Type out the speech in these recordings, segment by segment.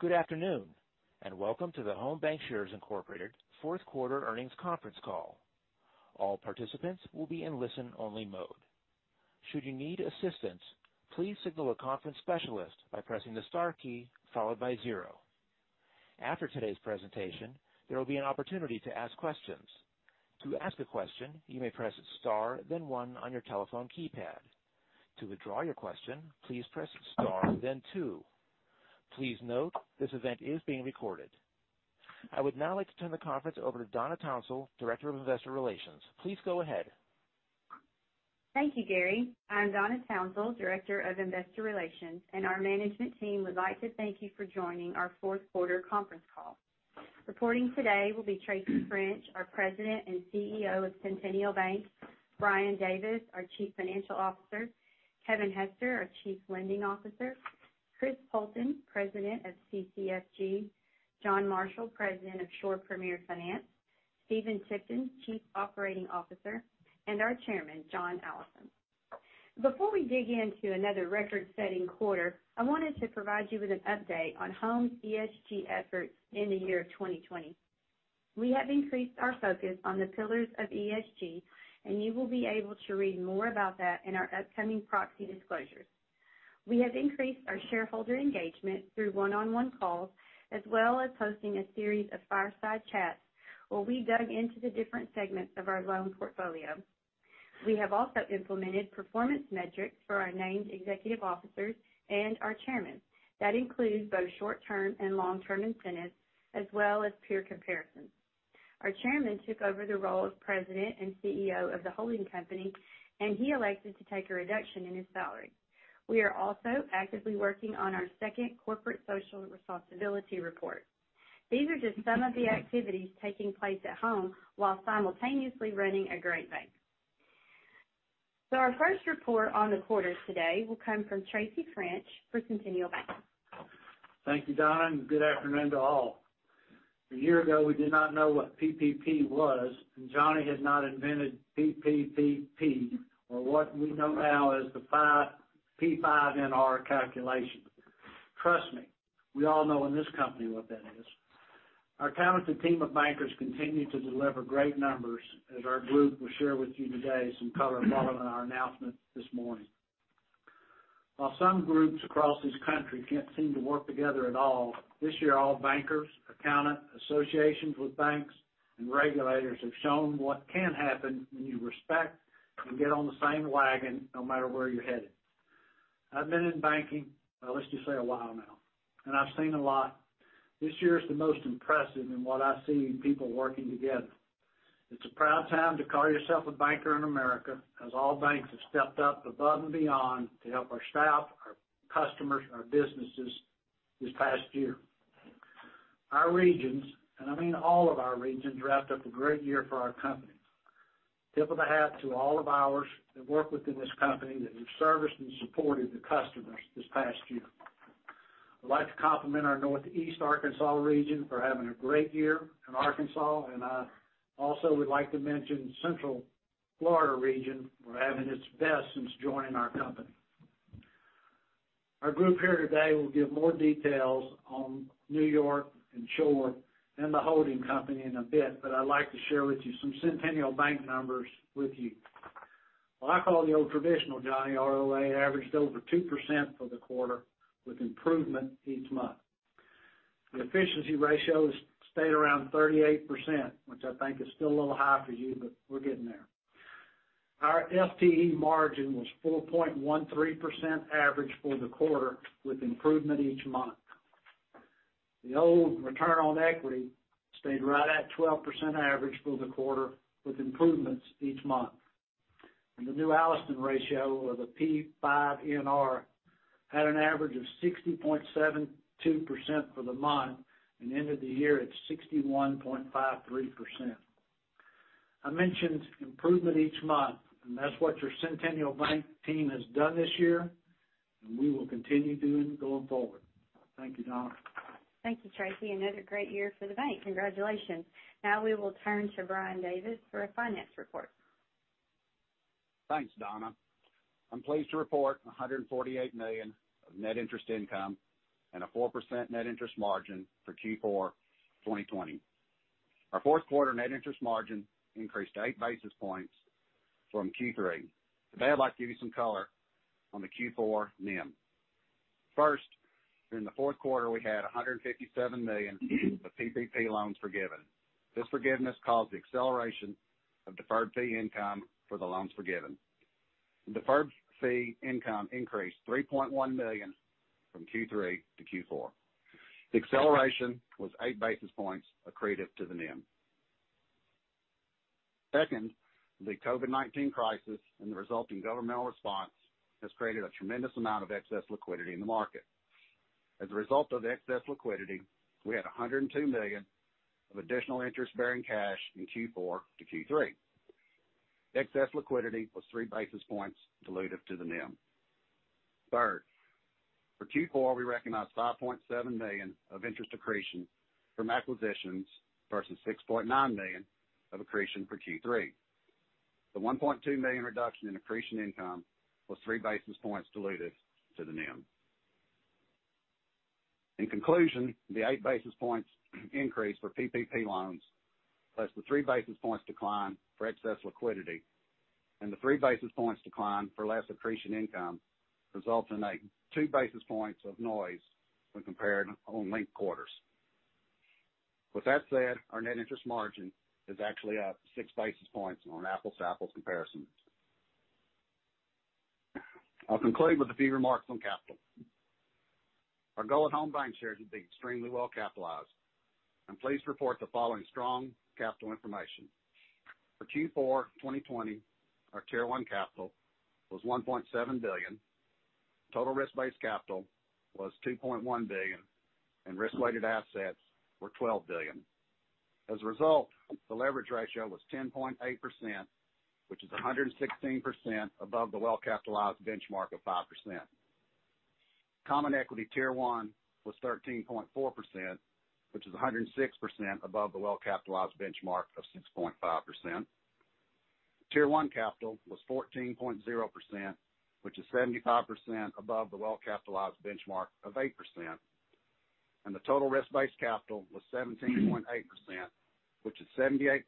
Good afternoon, and welcome to the Home BancShares Incorporated fourth quarter earnings conference call. All participants will be in listen-only mode. Should you need assistance, please signal a conference specialist by pressing the star key followed by zero. After today's presentation, there will be an opportunity to ask questions. To ask a question, you may press star then one on your telephone keypad. To withdraw your question, please press star then two. Please note this event is being recorded. I would now like to turn the conference over to Donna Townsell, Director of Investor Relations. Please go ahead. Thank you, Gary. I'm Donna Townsell, Director of Investor Relations. Our management team would like to thank you for joining our fourth quarter conference call. Reporting today will be Tracy French, our President and CEO of Centennial Bank; Brian Davis, our Chief Financial Officer; Kevin Hester, our Chief Lending Officer; Chris Poulton, President of CCFG; John Marshall, President of Shore Premier Finance; Stephen Tipton, Chief Operating Officer; and our Chairman, John Allison. Before we dig into another record-setting quarter, I wanted to provide you with an update on Home's ESG efforts in the year 2020. We have increased our focus on the pillars of ESG. You will be able to read more about that in our upcoming proxy disclosures. We have increased our shareholder engagement through one-on-one calls, as well as hosting a series of fireside chats where we dug into the different segments of our loan portfolio. We have also implemented performance metrics for our named executive officers and our Chairman. That includes both short-term and long-term incentives, as well as peer comparisons. Our Chairman took over the role of President and CEO of the holding company. He elected to take a reduction in his salary. We are also actively working on our second corporate social responsibility report. These are just some of the activities taking place at Home while simultaneously running a great bank. Our first report on the quarter today will come from Tracy French for Centennial Bank. Thank you, Donna, and good afternoon to all. A year ago, we did not know what PPP was, and Johnny had not invented PPPP or what we know now as the P5NR calculation. Trust me, we all know in this company what that is. Our talented team of bankers continue to deliver great numbers as our group will share with you today some color following our announcement this morning. While some groups across this country can't seem to work together at all, this year all bankers, accountants, associations with banks, and regulators have shown what can happen when you respect and get on the same wagon no matter where you're headed. I've been in banking, let's just say a while now, and I've seen a lot. This year is the most impressive in what I see in people working together. It's a proud time to call yourself a banker in America as all banks have stepped up above and beyond to help our staff, our customers, and our businesses this past year. Our regions, and I mean all of our regions, wrapped up a great year for our company. Tip of the hat to all of ours that work within this company that have serviced and supported the customers this past year. I'd like to compliment our Northeast Arkansas region for having a great year in Arkansas, and I also would like to mention Central Florida region for having its best since joining our company. Our group here today will give more details on New York and Shore and the holding company in a bit, but I'd like to share with you some Centennial Bank numbers with you. What I call the old traditional, Johnny, ROA averaged over 2% for the quarter with improvement each month. The efficiency ratio stayed around 38%, which I think is still a little high for you, but we're getting there. Our FTE margin was 4.13% average for the quarter with improvement each month. The old return on equity stayed right at 12% average for the quarter with improvements each month. The new Allison ratio, or the P5NR, had an average of 60.72% for the month and ended the year at 61.53%. I mentioned improvement each month, and that's what your Centennial Bank team has done this year, and we will continue doing going forward. Thank you, Donna. Thank you, Tracy. Another great year for the bank. Congratulations. Now we will turn to Brian Davis for a finance report. Thanks, Donna. I'm pleased to report $148 million of net interest income and a 4% net interest margin for Q4 2020. Our fourth quarter net interest margin increased 8 basis points from Q3. Today, I'd like to give you some color on the Q4 NIM. First, during the fourth quarter, we had $157 million of PPP loans forgiven. This forgiveness caused the acceleration of deferred fee income for the loans forgiven. Deferred fee income increased $3.1 million from Q3 to Q4. The acceleration was 8 basis points accretive to the NIM. Second, the COVID-19 crisis and the resulting governmental response has created a tremendous amount of excess liquidity in the market. As a result of the excess liquidity, we had $102 million of additional interest-bearing cash in Q4 to Q3. The excess liquidity was 3 basis points dilutive to the NIM. Third, for Q4, we recognized $5.7 million of interest accretion from acquisitions versus $6.9 million of accretion for Q3. The $1.2 million reduction in accretion income was 3 basis points dilutive to the NIM. In conclusion, the 8 basis points increase for PPP loans plus the 3 basis points decline for excess liquidity and the 3 basis points decline for less accretion income results in a 2 basis points of noise when compared on linked quarters. With that said, our net interest margin is actually up 6 basis points on an apples-to-apples comparison. I'll conclude with a few remarks on capital. Our goal at Home BancShares is to be extremely well-capitalized. I'm pleased to report the following strong capital information. For Q4 2020, our Tier 1 capital was $1.7 billion, total risk-based capital was $2.1 billion, and risk-weighted assets were $12 billion. As a result, the leverage ratio was 10.8%, which is 116% above the well-capitalized benchmark of 5%. Common equity Tier 1 was 13.4%, which is 106% above the well-capitalized benchmark of 6.5%. Tier 1 capital was 14.0%, which is 75% above the well-capitalized benchmark of 8%, and the total risk-based capital was 17.8%, which is 78%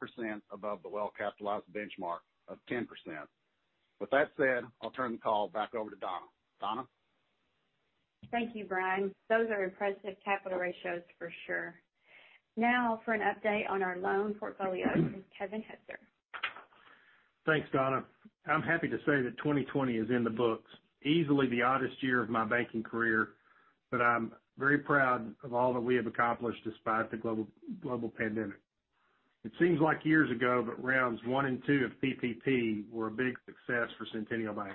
above the well-capitalized benchmark of 10%. With that said, I'll turn the call back over to Donna. Donna? Thank you, Brian. Those are impressive capital ratios for sure. Now for an update on our loan portfolio from Kevin Hester. Thanks, Donna. I'm happy to say that 2020 is in the books. Easily the oddest year of my banking career, I'm very proud of all that we have accomplished despite the global pandemic. It seems like years ago, Rounds 1 and 2 of PPP were a big success for Centennial Bank.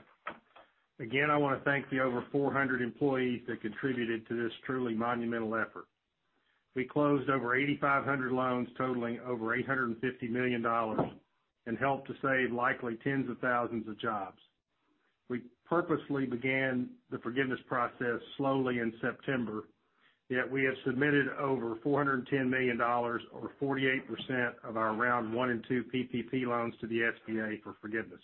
Again, I want to thank the over 400 employees that contributed to this truly monumental effort. We closed over 8,500 loans totaling over $850 million and helped to save likely tens of thousands of jobs. We purposely began the forgiveness process slowly in September, yet we have submitted over $410 million or 48% of our round 1 and 2 PPP loans to the SBA for forgiveness.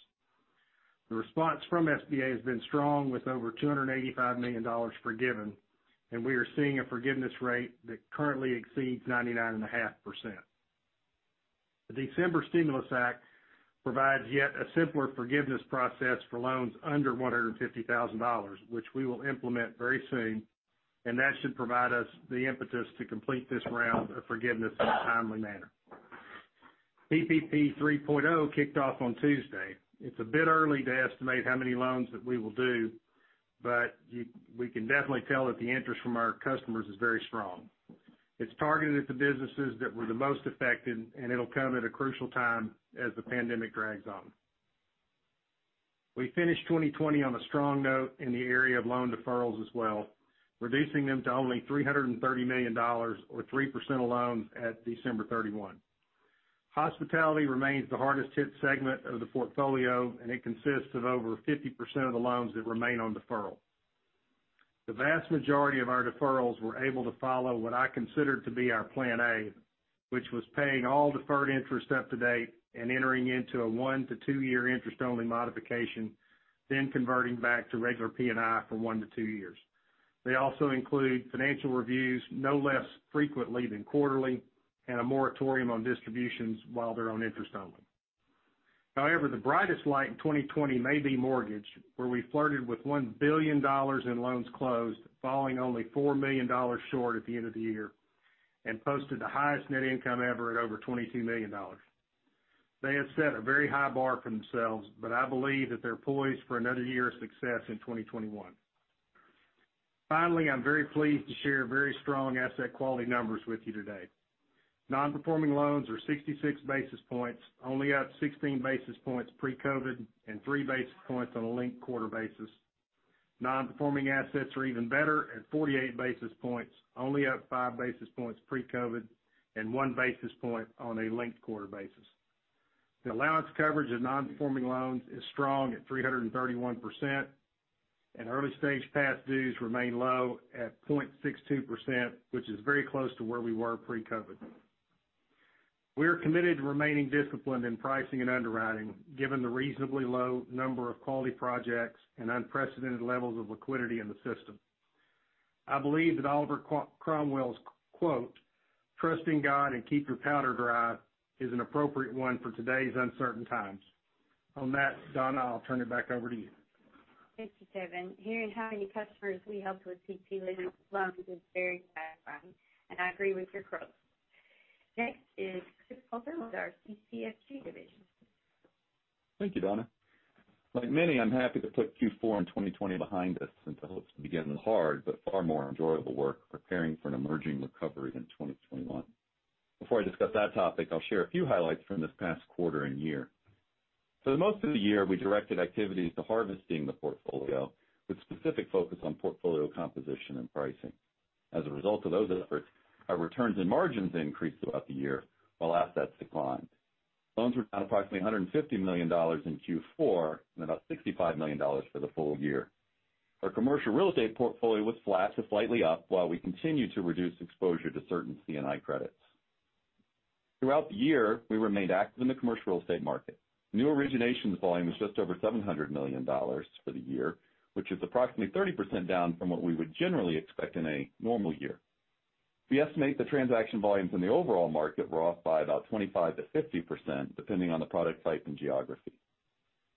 The response from SBA has been strong, with over $285 million forgiven, and we are seeing a forgiveness rate that currently exceeds 99.5%. The December stimulus act provides yet a simpler forgiveness process for loans under $150,000, which we will implement very soon. That should provide us the impetus to complete this round of forgiveness in a timely manner. PPP 3.0 kicked off on Tuesday. It's a bit early to estimate how many loans that we will do, but we can definitely tell that the interest from our customers is very strong. It's targeted at the businesses that were the most affected. It'll come at a crucial time as the pandemic drags on. We finished 2020 on a strong note in the area of loan deferrals as well, reducing them to only $330 million or 3% of loans at December 31. Hospitality remains the hardest hit segment of the portfolio. It consists of over 50% of the loans that remain on deferral. The vast majority of our deferrals were able to follow what I consider to be our plan A, which was paying all deferred interest up to date and entering into a one to two-year interest-only modification, then converting back to regular P&I for one to two years. They also include financial reviews no less frequently than quarterly and a moratorium on distributions while they're on interest only. However, the brightest light in 2020 may be mortgage, where we flirted with $1 billion in loans closed, falling only $4 million short at the end of the year and posted the highest net income ever at over $22 million. They have set a very high bar for themselves, but I believe that they're poised for another year of success in 2021. Finally, I'm very pleased to share very strong asset quality numbers with you today. Non-performing loans are 66 basis points, only up 16 basis points pre-COVID and 3 basis points on a linked quarter basis. Non-performing assets are even better at 48 basis points, only up 5 basis points pre-COVID and 1 basis point on a linked quarter basis. The allowance coverage of non-performing loans is strong at 331%, and early stage past dues remain low at 0.62%, which is very close to where we were pre-COVID. We are committed to remaining disciplined in pricing and underwriting, given the reasonably low number of quality projects and unprecedented levels of liquidity in the system. I believe that Oliver Cromwell's quote, "Trust in God and keep your powder dry," is an appropriate one for today's uncertain times. On that, Donna, I'll turn it back over to you. Thank you, Kevin. Hearing how many customers we helped with PPP loans is very gratifying. I agree with your quote. Next is Chris Poulton with our CCFG division. Thank you, Donna. Like many, I'm happy to put Q4 and 2020 behind us and to hopefully begin the hard but far more enjoyable work preparing for an emerging recovery in 2021. Before I discuss that topic, I'll share a few highlights from this past quarter and year. For the most of the year, we directed activities to harvesting the portfolio with specific focus on portfolio composition and pricing. As a result of those efforts, our returns and margins increased throughout the year while assets declined. Loans were down approximately $150 million in Q4 and about $65 million for the full year. Our commercial real estate portfolio was flat to slightly up while we continued to reduce exposure to certain C&I credits. Throughout the year, we remained active in the commercial real estate market. New originations volume was just over $700 million for the year, which is approximately 30% down from what we would generally expect in a normal year. We estimate the transaction volumes in the overall market were off by about 25%-50%, depending on the product type and geography.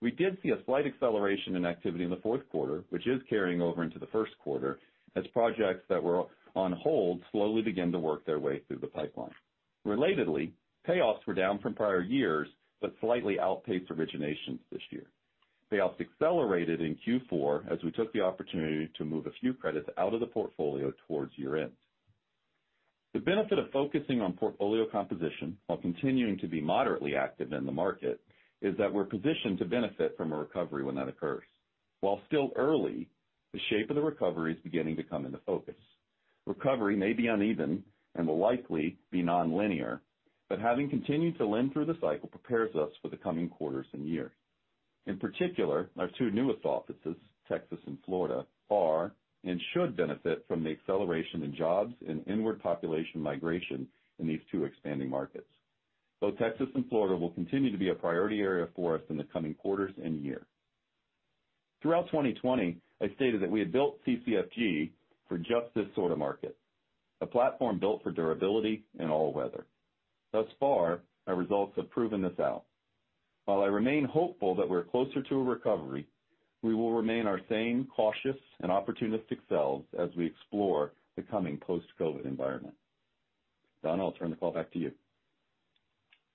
We did see a slight acceleration in activity in the fourth quarter, which is carrying over into the first quarter, as projects that were on hold slowly begin to work their way through the pipeline. Relatedly, payoffs were down from prior years but slightly outpaced originations this year. Payoffs accelerated in Q4 as we took the opportunity to move a few credits out of the portfolio towards year-end. The benefit of focusing on portfolio composition while continuing to be moderately active in the market is that we're positioned to benefit from a recovery when that occurs. While still early, the shape of the recovery is beginning to come into focus. Recovery may be uneven and will likely be nonlinear, but having continued to lend through the cycle prepares us for the coming quarters and years. In particular, our two newest offices, Texas and Florida, are and should benefit from the acceleration in jobs and inward population migration in these two expanding markets. Both Texas and Florida will continue to be a priority area for us in the coming quarters and year. Throughout 2020, I stated that we had built CCFG for just this sort of market, a platform built for durability in all weather. Thus far, our results have proven this out. While I remain hopeful that we're closer to a recovery, we will remain our same cautious and opportunistic selves as we explore the coming post-COVID environment. Donna, I'll turn the call back to you.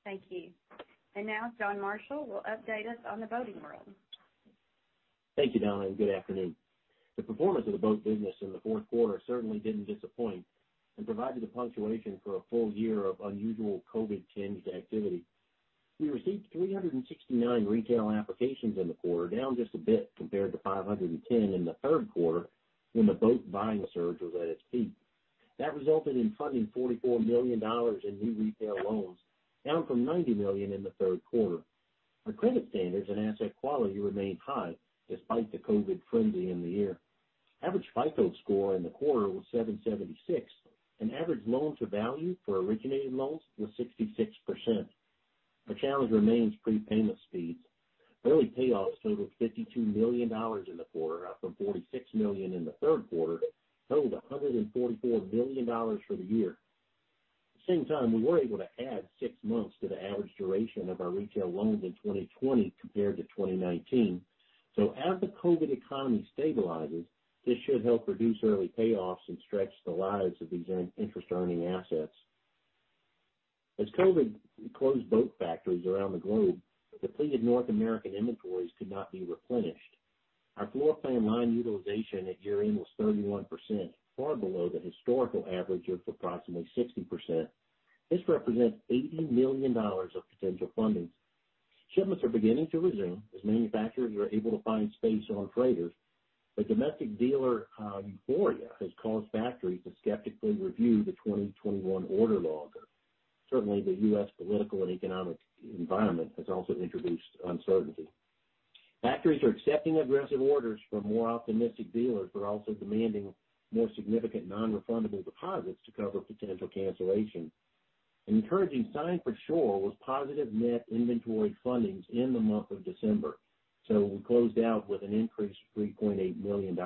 Thank you. Now John Marshall will update us on the boating world. Thank you, Donna. Good afternoon. The performance of the boat business in the fourth quarter certainly didn't disappoint and provided a punctuation for a full year of unusual COVID-tinged activity. We received 369 retail applications in the quarter, down just a bit compared to 510 in the third quarter, when the boat buying surge was at its peak. That resulted in funding $44 million in new retail loans, down from $90 million in the third quarter. Our credit standards and asset quality remained high despite the COVID frenzy in the year. Average FICO score in the quarter was 776. Average loan-to-value for originated loans was 66%. The challenge remains prepayment speeds. Early payoffs totaled $52 million in the quarter, up from $46 million in the third quarter, totaled $144 million for the year. At the same time, we were able to add six months to the average duration of our retail loans in 2020 compared to 2019. As the COVID economy stabilizes, this should help reduce early payoffs and stretch the lives of these interest-earning assets. As COVID closed boat factories around the globe, depleted North American inventories could not be replenished. Our floor plan line utilization at year-end was 31%, far below the historical average of approximately 60%. This represents $80 million of potential fundings. Shipments are beginning to resume as manufacturers are able to find space on freighters. Domestic dealer euphoria has caused factories to skeptically review the 2021 order log. Certainly, the U.S. political and economic environment has also introduced uncertainty. Factories are accepting aggressive orders from more optimistic dealers but are also demanding more significant nonrefundable deposits to cover potential cancellation. An encouraging sign for sure was positive net inventory fundings in the month of December. We closed out with an increase of $3.8 million.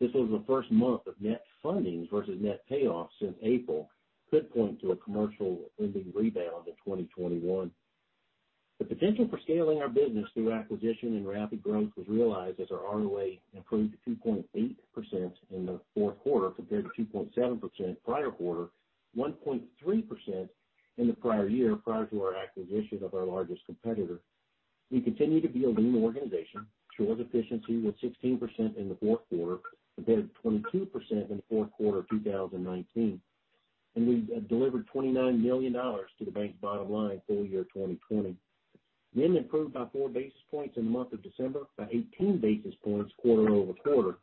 This was the first month of net fundings versus net payoffs since April, could point to a commercial lending rebound in 2021. The potential for scaling our business through acquisition and rapid growth was realized as our ROA improved to 2.8% in the fourth quarter compared to 2.7% prior quarter, 1.3% in the prior year, prior to our acquisition of our largest competitor. We continue to be a lean organization. Shore efficiency was 16% in the fourth quarter, compared to 22% in the fourth quarter of 2019. We've delivered $29 million to the bank's bottom line full year 2020. NIM improved by 4 basis points in the month of December, by 18 basis points quarter-over-quarter.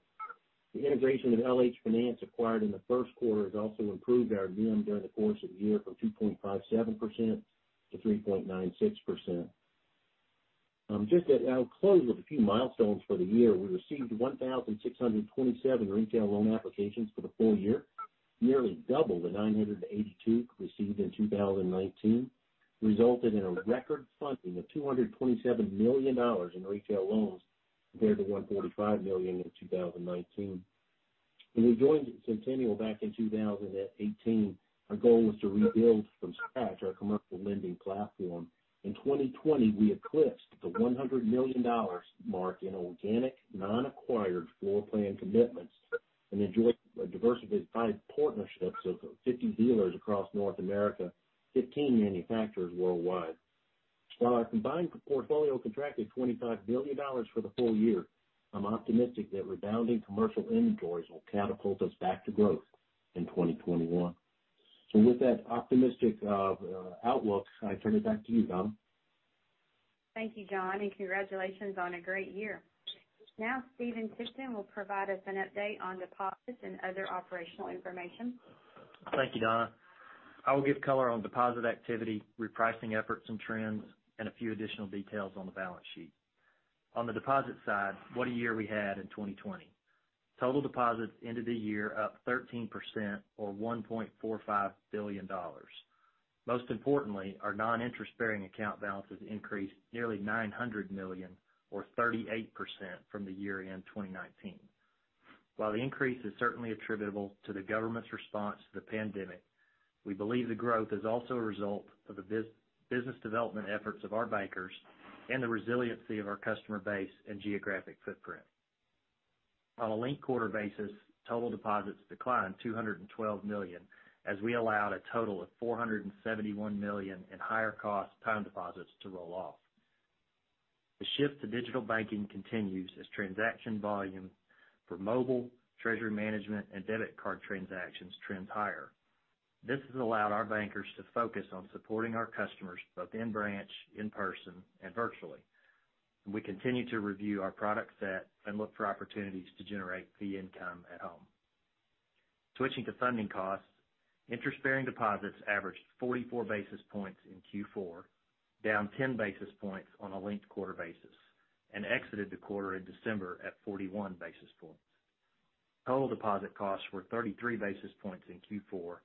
The integration of LH-Finance acquired in the first quarter has also improved our NIM during the course of the year from 2.57% to 3.96%. Just to close with a few milestones for the year, we received 1,627 retail loan applications for the full year, nearly double the 982 received in 2019, resulted in a record funding of $227 million in retail loans, compared to $145 million in 2019. When we joined Centennial Bank in 2018, our goal was to rebuild from scratch our commercial lending platform. In 2020, we eclipsed the $100 million mark in organic, non-acquired floor plan commitments and enjoy a diversified partnership of 50 dealers across North America, 15 manufacturers worldwide. While our combined portfolio contracted $25 billion for the full year, I'm optimistic that rebounding commercial inventories will catapult us back to growth in 2021. With that optimistic outlook, I turn it back to you, Donna. Thank you, John, and congratulations on a great year. Now Stephen Tipton will provide us an update on deposits and other operational information. Thank you, Donna. I will give color on deposit activity, repricing efforts and trends, and a few additional details on the balance sheet. On the deposit side, what a year we had in 2020. Total deposits ended the year up 13% or $1.45 billion. Most importantly, our non-interest-bearing account balances increased nearly $900 million or 38% from the year-end 2019. While the increase is certainly attributable to the government's response to the pandemic, we believe the growth is also a result of the business development efforts of our bankers and the resiliency of our customer base and geographic footprint. On a linked quarter basis, total deposits declined $212 million, as we allowed a total of $471 million in higher cost time deposits to roll off. The shift to digital banking continues as transaction volume for mobile, treasury management, and debit card transactions trends higher. This has allowed our bankers to focus on supporting our customers, both in branch, in person, and virtually. We continue to review our product set and look for opportunities to generate fee income at Home. Switching to funding costs, interest-bearing deposits averaged 44 basis points in Q4, down 10 basis points on a linked quarter basis, and exited the quarter in December at 41 basis points. Total deposit costs were 33 basis points in Q4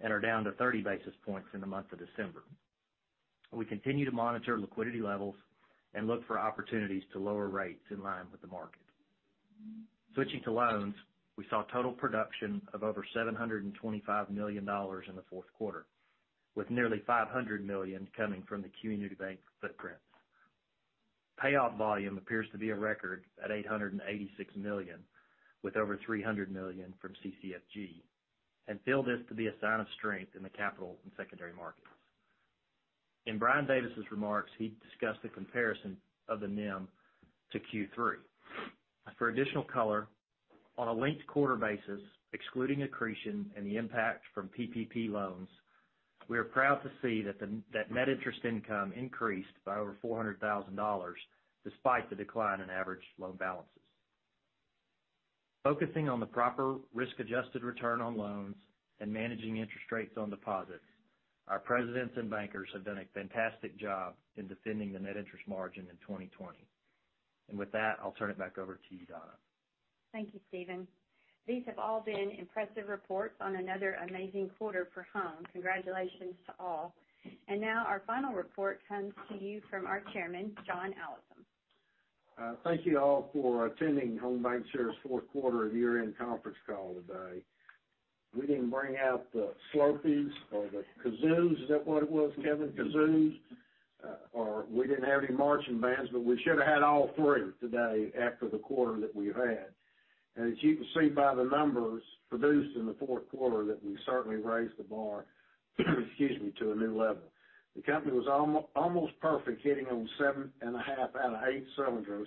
and are down to 30 basis points in the month of December. We continue to monitor liquidity levels and look for opportunities to lower rates in line with the market. Switching to loans, we saw total production of over $725 million in the fourth quarter, with nearly $500 million coming from the community bank footprint. Payout volume appears to be a record at $886 million, with over $300 million from CCFG, and feel this to be a sign of strength in the capital and secondary markets. In Brian Davis' remarks, he discussed the comparison of the NIM to Q3. For additional color, on a linked quarter basis, excluding accretion and the impact from PPP loans, we are proud to see that net interest income increased by over $400,000, despite the decline in average loan balances. Focusing on the proper risk-adjusted return on loans and managing interest rates on deposits, our presidents and bankers have done a fantastic job in defending the net interest margin in 2020. With that, I'll turn it back over to you, Donna. Thank you, Stephen. These have all been impressive reports on another amazing quarter for Home. Congratulations to all. Now our final report comes to you from our Chairman, John Allison. Thank you all for attending Home BancShares' fourth quarter and year-end conference call today. We didn't bring out the slurpees or the kazoos. Is that what it was, Kevin? Kazoos? We didn't have any marching bands, but we should've had all three today after the quarter that we've had. As you can see by the numbers produced in the fourth quarter, that we certainly raised the bar, excuse me, to a new level. The company was almost perfect, hitting on seven and a half out of eight cylinders,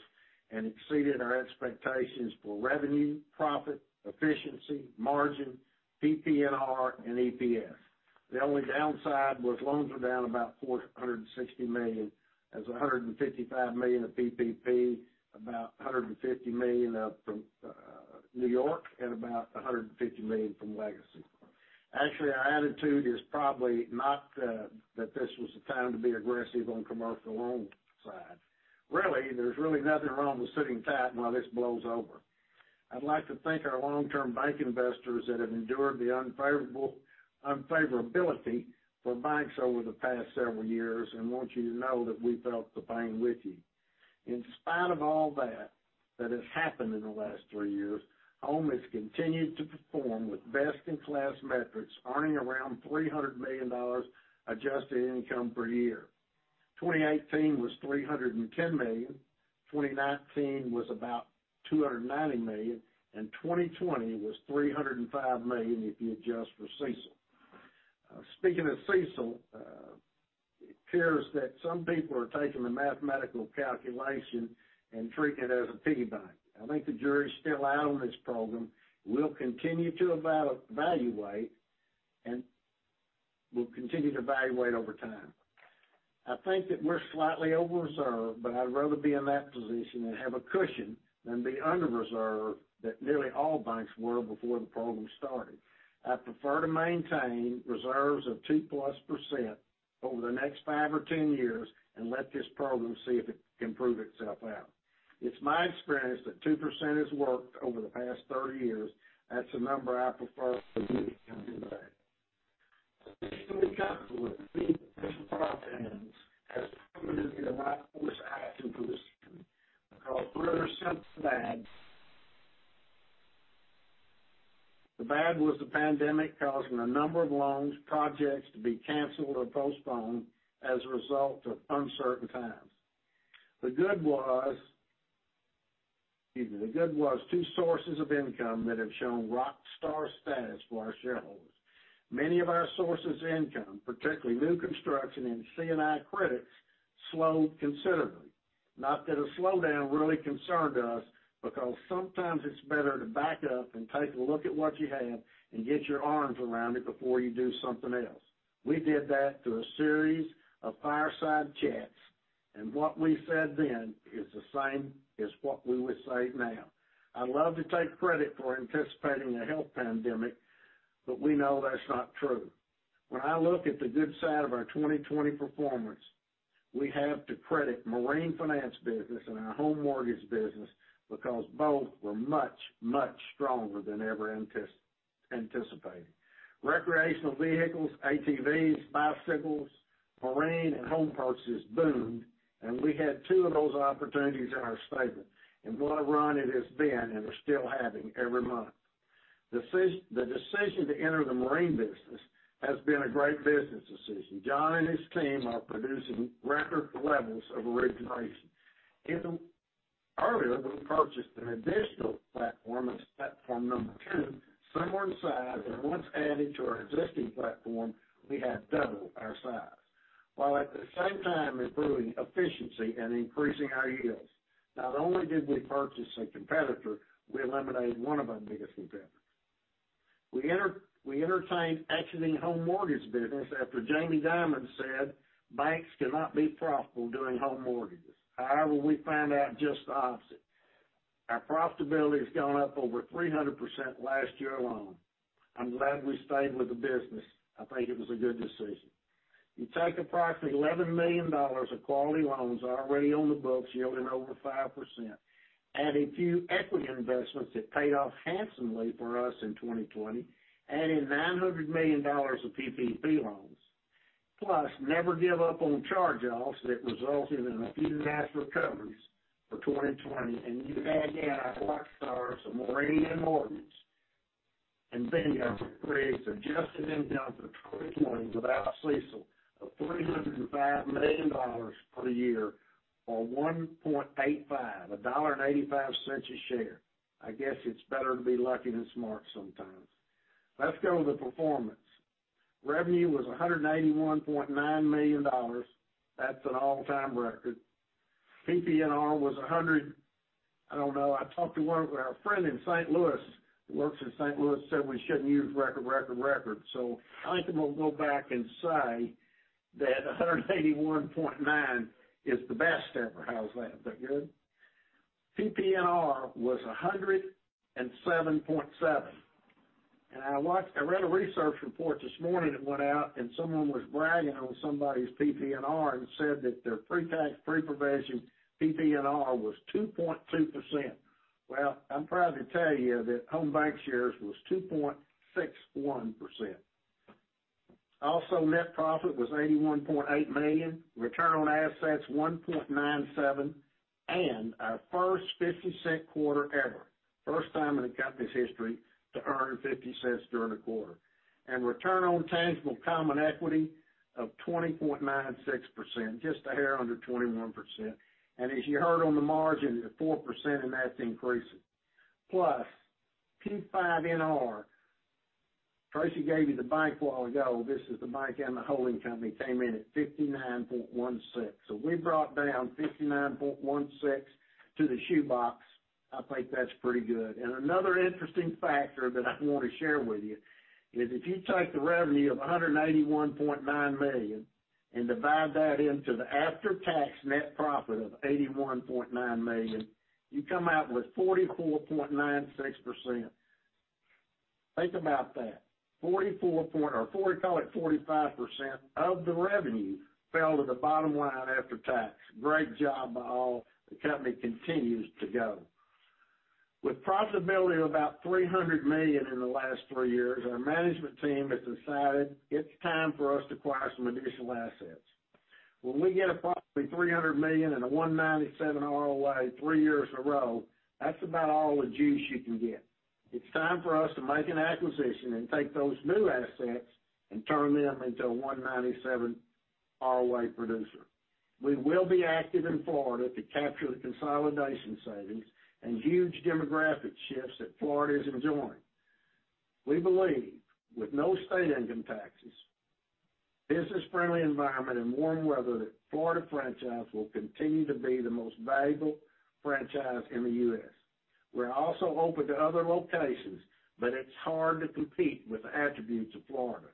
and exceeded our expectations for revenue, profit, efficiency, margin, PPNR, and EPS. The only downside was loans were down about $460 million, as $155 million of PPP, about $150 million from New York, and about $150 million from legacy. Actually, our attitude is probably not that this was the time to be aggressive on commercial loans side. Really, there's really nothing wrong with sitting tight while this blows over. I'd like to thank our long-term bank investors that have endured the unfavorability for banks over the past several years and want you to know that we felt the pain with you. In spite of all that that has happened in the last three years, Home has continued to perform with best-in-class metrics, earning around $300 million adjusted income per year. 2018 was $310 million, 2019 was about $290 million, and 2020 was $305 million if you adjust for CECL. Speaking of CECL, it appears that some people are taking the mathematical calculation and treating it as a piggy bank. I think the jury is still out on this program. We'll continue to evaluate over time. I think that we're slightly over-reserved, but I'd rather be in that position and have a cushion than be under-reserved that nearly all banks were before the program started. I prefer to maintain reserves of 2%+ over the next five or 10 years and let this program see if it can prove itself out. It's my experience that 2% has worked over the past 30 years. That's the number I prefer in good times and bad. Positioning the company with many potential profit handles has proven to be the right course of action for this company because where there's something bad, there's something good. You just have to find it. The bad was the pandemic causing a number of loans, projects to be canceled or postponed as a result of uncertain times. The good was two sources of income that have shown rockstar status for our shareholders. Many of our sources of income, particularly new construction and C&I credits, slowed considerably. Not that a slowdown really concerned us, because sometimes it's better to back up and take a look at what you have and get your arms around it before you do something else. We did that through a series of fireside chats. What we said then is the same as what we would say now. I'd love to take credit for anticipating a health pandemic, but we know that's not true. When I look at the good side of our 2020 performance, we have to credit marine finance business and our home mortgage business because both were much, much stronger than ever anticipated. Recreational vehicles, ATVs, bicycles, marine, and home purchases boomed, and we had two of those opportunities in our stable. What a run it has been, and we're still having every month. The decision to enter the marine business has been a great business decision. John and his team are producing record levels of origination. Earlier, we purchased an additional platform as platform number two, similar in size, and once added to our existing platform, we have double our size. While at the same time improving efficiency and increasing our yields. Not only did we purchase a competitor, we eliminated one of our biggest competitors. We entertained exiting home mortgage business after Jamie Dimon said banks cannot be profitable doing home mortgages. However, we found out just the opposite. Our profitability has gone up over 300% last year alone. I'm glad we stayed with the business. I think it was a good decision. You take approximately $11 million of quality loans already on the books yielding over 5%, add a few equity investments that paid off handsomely for us in 2020, add in $900 million of PPP loans, plus never give up on charge-offs that resulted in a few nice recoveries for 2020, and you add in our rock stars of marine and mortgage, and bingo, it creates adjusted income for 2020 without CECL of $305 million for the year or $1.85 a share. I guess it's better to be lucky than smart sometimes. Let's go to the performance. Revenue was $181.9 million. That's an all-time record. PPNR was 100, I don't know. I talked to our friend in St. Louis, who works in St. Louis, said we shouldn't use record, record. I think I'm going to go back and say that $181.9 million is the best ever. How's that? Is that good? PPNR was $107.7 million. I read a research report this morning that went out, and someone was bragging on somebody's PPNR and said that their pre-tax, pre-provision PPNR was 2.2%. Well, I'm proud to tell you that Home BancShares was 2.61%. Also, net profit was $81.8 million, return on assets, 1.97%, and our first $0.50 quarter ever. First time in the company's history to earn $0.50 during a quarter. Return on tangible common equity of 20.96%, just a hair under 21%. As you heard on the margin, at 4%, and that's increasing. Plus, P5NR, Tracy gave you the bank while ago. This is the bank and the holding company came in at 59.16%. We brought down 59.16% to the shoe box. I think that's pretty good. Another interesting factor that I want to share with you is if you take the revenue of $181.9 million and divide that into the after-tax net profit of $81.9 million, you come out with 44.96%. Think about that. Call it 45% of the revenue fell to the bottom line after tax. Great job by all. The company continues to go. With profitability of about $300 million in the last three years, our management team has decided it's time for us to acquire some additional assets. When we get a profit of $300 million and a 197 ROA three years in a row, that's about all the juice you can get. It's time for us to make an acquisition and take those new assets and turn them into a 197 ROA producer. We will be active in Florida to capture the consolidation savings and huge demographic shifts that Florida is enjoying. We believe with no state income taxes, business-friendly environment, and warm weather, that Florida franchise will continue to be the most valuable franchise in the U.S. We're also open to other locations, but it's hard to compete with the attributes of Florida.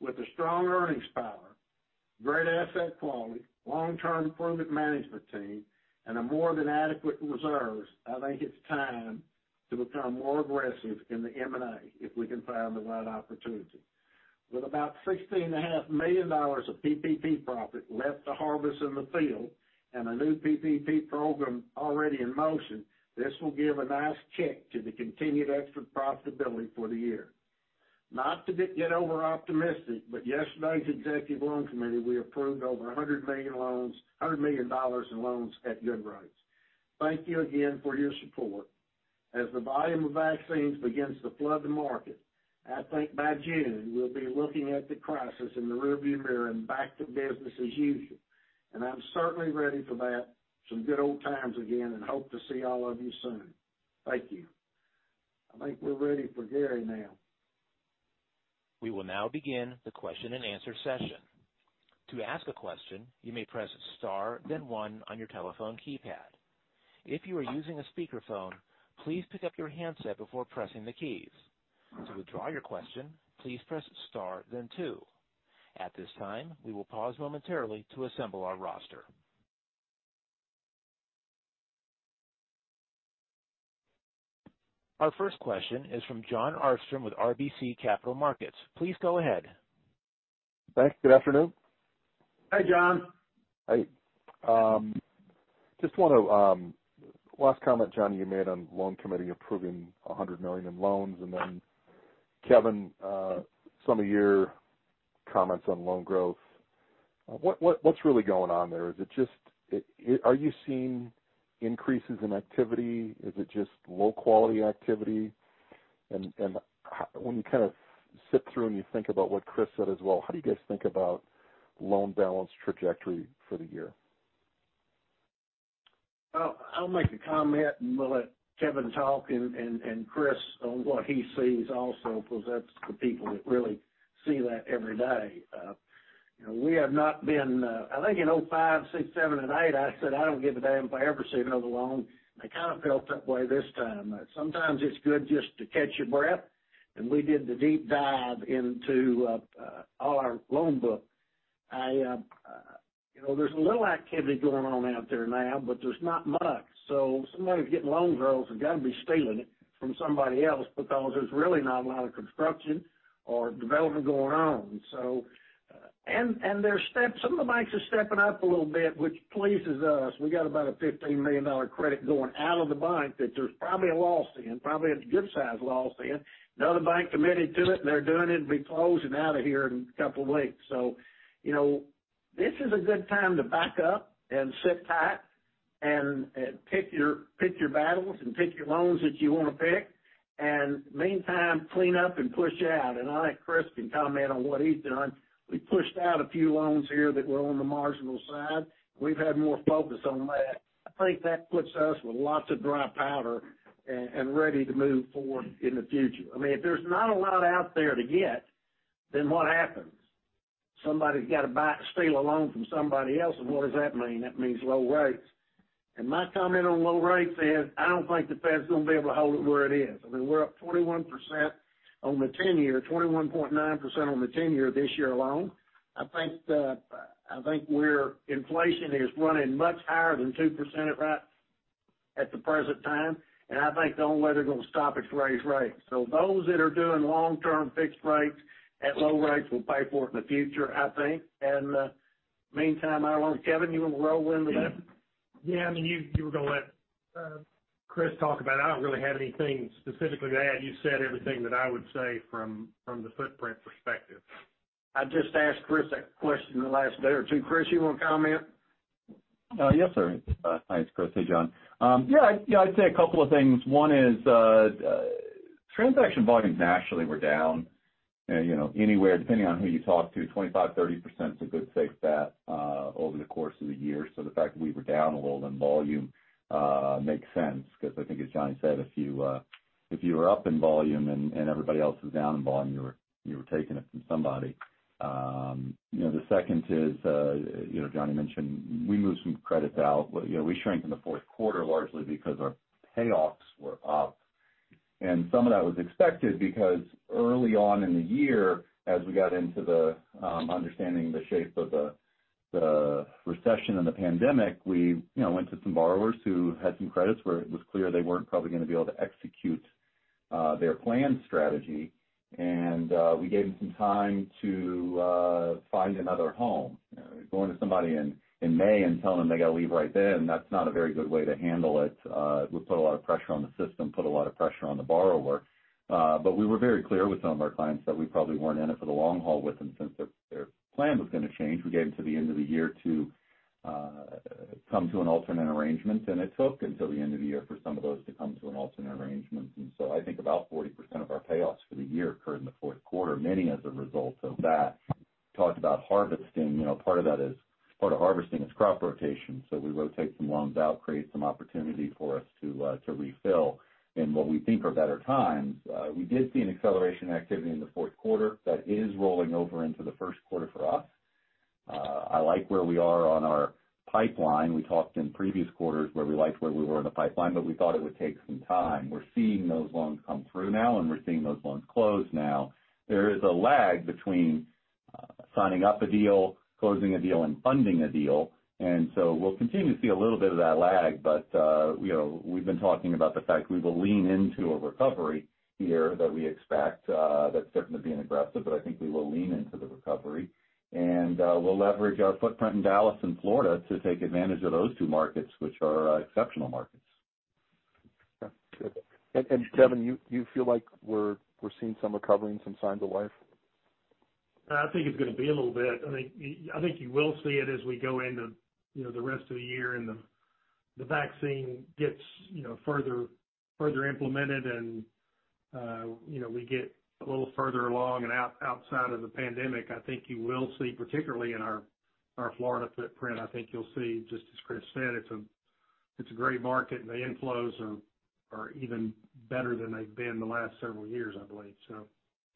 With a strong earnings power, great asset quality, long-term proven management team, and a more than adequate reserves, I think it's time to become more aggressive in the M&A, if we can find the right opportunity. With about $16.5 million of PPP profit left to harvest in the field and a new PPP program already in motion, this will give a nice kick to the continued extra profitability for the year. Not to get over-optimistic, but yesterday's executive loan committee, we approved over $100 million in loans at good rates. Thank you again for your support. As the volume of vaccines begins to flood the market, I think by June, we'll be looking at the crisis in the rearview mirror and back to business as usual. I'm certainly ready for that, some good old times again, and hope to see all of you soon. Thank you. I think we're ready for Gary now. We will now begin the question-and-answer session. To ask a question, you may press star, then one on your telephone keypad. If you are using a speakerphone, please pick up your handset before pressing the keys. To withdraw your question, please press star then two. At this time, we will pause momentarily to assemble our roster. Our first question is from Jon Arfstrom with RBC Capital Markets. Please go ahead. Thanks. Good afternoon. Hi, Jon. Hi. Just want to last comment, Johnny, you made on loan committee approving $100 million in loans, and then Kevin, some of your comments on loan growth. What's really going on there? Are you seeing increases in activity? Is it just low-quality activity? When you sit through and you think about what Chris said as well, how do you guys think about loan balance trajectory for the year? I'll make a comment, and we'll let Kevin talk and Chris on what he sees also, because that's the people that really see that every day. I think in 2005, 2006, 2007, and 2008, I said, "I don't give a damn if I ever see another loan." I kind of felt that way this time. Sometimes it's good just to catch your breath, and we did the deep dive into all our loan book. There's a little activity going on out there now, but there's not much. Somebody's getting loan growth has got to be stealing it from somebody else because there's really not a lot of construction or development going on. Some of the banks are stepping up a little bit, which pleases us. We got about a $15 million credit going out of the bank that there's probably a loss in, probably a good size loss in. Another bank committed to it, they're doing it, be closing out of here in a couple of weeks. This is a good time to back up and sit tight and pick your battles and pick your loans that you want to pick. Meantime, clean up and push out. I think Chris can comment on what he's done. We pushed out a few loans here that were on the marginal side. We've had more focus on that. I think that puts us with lots of dry powder and ready to move forward in the future. If there's not a lot out there to get, then what happens? Somebody's got to steal a loan from somebody else. What does that mean? That means low rates. My comment on low rates is, I don't think the Fed's going to be able to hold it where it is. We're up 21% on the 10-year, 21.9% on the 10-year this year alone. I think inflation is running much higher than 2% at the present time, and I think the only way they're going to stop it is to raise rates. Those that are doing long-term fixed rates at low rates will pay for it in the future, I think. Meantime, I don't know, Kevin, you want to roll in with that? Yeah, you were going to let Chris talk about it. I don't really have anything specifically to add. You said everything that I would say from the footprint perspective. I just asked Chris that question the last day or two. Chris, you want to comment? Yes, sir. Hi, it's Chris. Hey, Jon. Yeah, I'd say a couple of things. One is transaction volumes nationally were down anywhere, depending on who you talk to, 25%, 30% is a good safe bet over the course of the year. The fact that we were down a little in volume makes sense because I think as Johnny said, if you were up in volume and everybody else was down in volume, you were taking it from somebody. The second is, Johnny mentioned we moved some credits out. We shrank in the fourth quarter largely because our payoffs were up. Some of that was expected because early on in the year, as we got into understanding the shape of the recession and the pandemic, we went to some borrowers who had some credits where it was clear they weren't probably going to be able to execute their plan strategy, and we gave them some time to find another home. Going to somebody in May and telling them they got to leave right then, that's not a very good way to handle it. It would put a lot of pressure on the system, put a lot of pressure on the borrower. We were very clear with some of our clients that we probably weren't in it for the long haul with them since their plan was going to change. We gave them to the end of the year to come to an alternate arrangement, and it took until the end of the year for some of those to come to an alternate arrangement. I think about 40% of our payoffs for the year occurred in the fourth quarter, many as a result of that. Talked about harvesting. Part of harvesting is crop rotation. We rotate some loans out, create some opportunity for us to refill in what we think are better times. We did see an acceleration in activity in the fourth quarter that is rolling over into the first quarter for us. I like where we are on our pipeline. We talked in previous quarters where we liked where we were in the pipeline, but we thought it would take some time. We're seeing those loans come through now, and we're seeing those loans close now. There is a lag between signing up a deal, closing a deal, and funding a deal. We'll continue to see a little bit of that lag. We've been talking about the fact we will lean into a recovery here that we expect. That's certainly being aggressive. I think we will lean into the recovery. We'll leverage our footprint in Dallas and Florida to take advantage of those two markets, which are exceptional markets. Yeah. Good. Kevin, you feel like we're seeing some recovery and some signs of life? I think it's going to be a little bit. I think you will see it as we go into the rest of the year and the vaccine gets further implemented and we get a little further along and outside of the pandemic. I think you will see, particularly in our Florida footprint, I think you'll see, just as Chris said, it's a great market and the inflows are even better than they've been the last several years, I believe.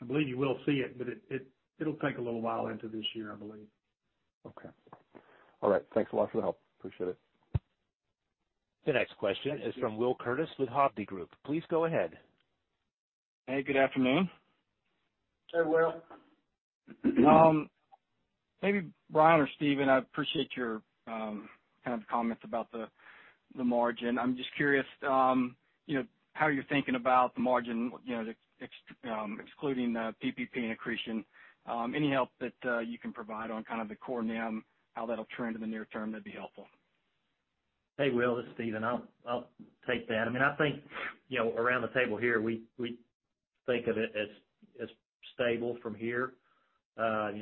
I believe you will see it, but it'll take a little while into this year, I believe. Okay. All right. Thanks a lot for the help. Appreciate it. The next question is from Will Curtiss with Hovde Group. Please go ahead. Hey, good afternoon. Hey, Will. Maybe Brian or Stephen, I appreciate your comments about the margin. I'm just curious, how you're thinking about the margin, excluding the PPP and accretion. Any help that you can provide on kind of the core NIM, how that'll trend in the near-term, that'd be helpful. Hey, Will, it's Stephen. I'll take that. I think, around the table here, we think of it as stable from here.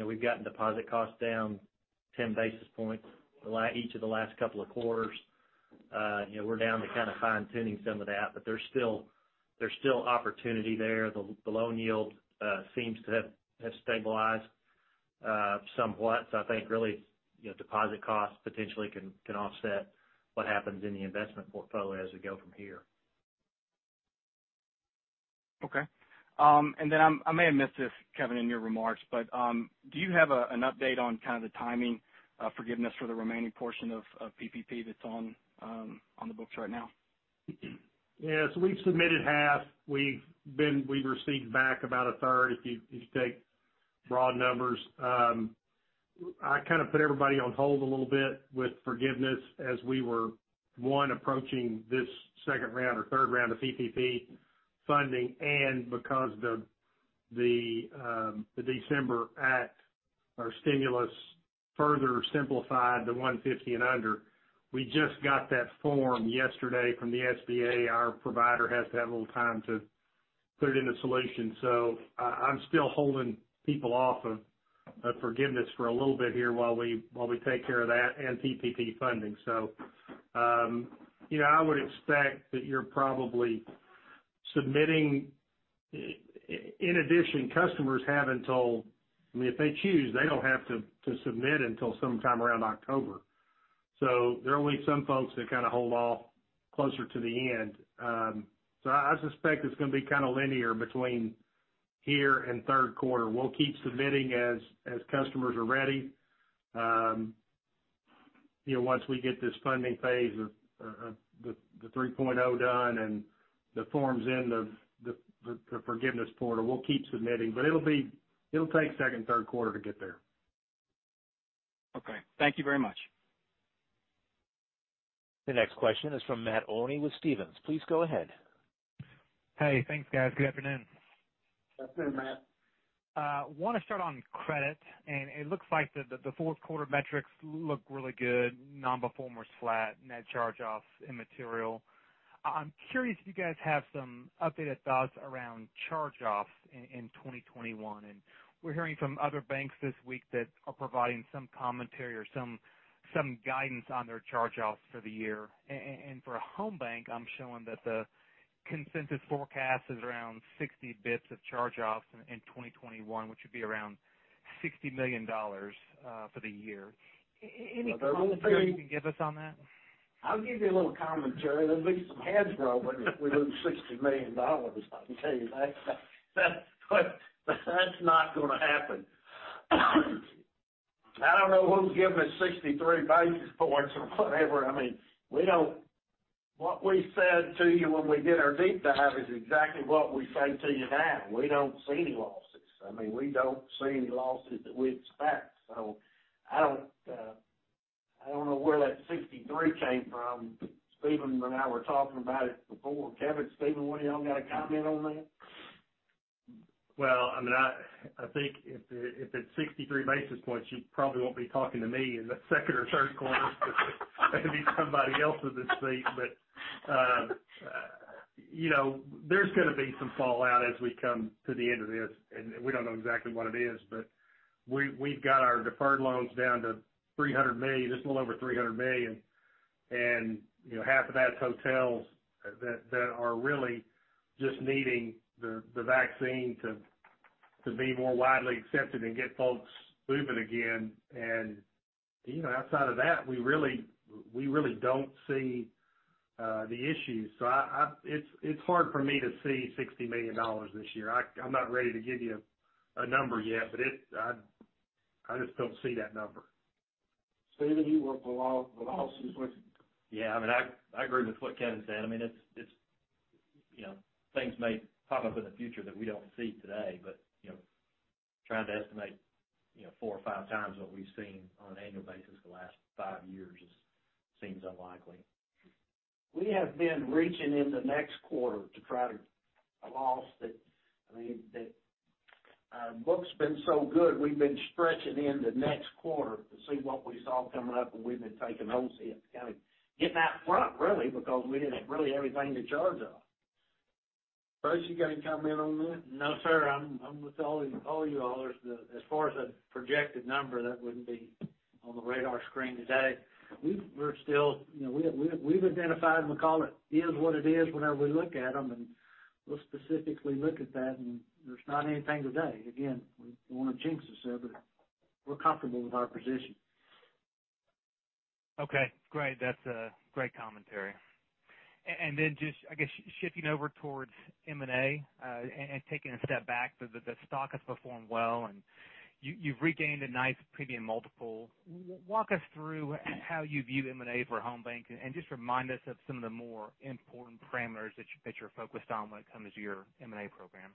We've gotten deposit costs down 10 basis points each of the last couple of quarters. We're down to kind of fine-tuning some of that, but there's still opportunity there. The loan yield seems to have stabilized somewhat. I think really, deposit costs potentially can offset what happens in the investment portfolio as we go from here. Okay. I may have missed this, Kevin, in your remarks, but do you have an update on kind of the timing of forgiveness for the remaining portion of PPP that's on the books right now? Yeah. We've submitted half. We've received back about 1/3, if you take broad numbers. I kind of put everybody on hold a little bit with forgiveness as we were, one, approaching this second round or third round of PPP funding, and because the December act or stimulus further simplified the $150 million and under. We just got that form yesterday from the SBA. Our provider has to have a little time to put it in the solution. I'm still holding people off of forgiveness for a little bit here while we take care of that and PPP funding. I would expect that you're probably submitting. In addition, customers have until, if they choose, they don't have to submit until sometime around October. There will be some folks that kind of hold off closer to the end. I suspect it's going to be kind of linear between here and third quarter. We'll keep submitting as customers are ready. Once we get this funding phase of the 3.0 done and the forms in the forgiveness portal, we'll keep submitting. It'll take second and third quarter to get there. Okay. Thank you very much. The next question is from Matt Olney with Stephens. Please go ahead. Hey, thanks, guys. Good afternoon. Afternoon, Matt. I want to start on credit. It looks like the fourth quarter metrics look really good. Non-performers flat, net charge-offs immaterial. I'm curious if you guys have some updated thoughts around charge-offs in 2021. We're hearing from other banks this week that are providing some commentary or some guidance on their charge-offs for the year. For Home Bank, I'm showing that the consensus forecast is around 60 basis points of charge-offs in 2021, which would be around $60 million for the year. Any commentary you can give us on that? I'll give you a little commentary. There'll be some heads rolling if we lose $60 million, I can tell you that. That's not going to happen. I don't know who's giving us 63 basis points or whatever. What we said to you when we did our deep dive is exactly what we say to you now. We don't see any losses. We don't see any losses that we expect. I don't know where that 63 came from. Stephen and I were talking about it before. Kevin, Steven, one of y'all got a comment on that? Well, I think if it's 63 basis points, you probably won't be talking to me in the second or third quarter. It'll be somebody else in this seat. There's going to be some fallout as we come to the end of this, and we don't know exactly what it is. We've got our deferred loans down to $300 million, just a little over $300 million, and half of that's hotels that are really just needing the vaccine to be more widely accepted and get folks moving again. Outside of that, we really don't see the issues. It's hard for me to see $60 million this year. I'm not ready to give you a number yet, but I just don't see that number. Stephen, you work with the losses. Yeah, I agree with what Kevin said. Things may pop up in the future that we don't see today, but trying to estimate four or five times what we've seen on an annual basis the last five years just seems unlikely. We have been reaching in the next quarter. Our book's been so good, we've been stretching in the next quarter to see what we saw coming up. We've been taking offsets, kind of getting out in front, because we didn't have anything to charge off. Chris, you got any comment on that? No, sir. I'm with all you all. As far as a projected number, that wouldn't be on the radar screen today. We've identified, and we call it is what it is whenever we look at them, and we'll specifically look at that, and there's not anything today. Again, we don't want to jinx us, but we're comfortable with our position. Okay, great. That's a great commentary. Just, I guess, shifting over towards M&A, and taking a step back, the stock has performed well, you've regained a nice premium multiple. Walk us through how you view M&A for Home Bank, just remind us of some of the more important parameters that you're focused on when it comes to your M&A program.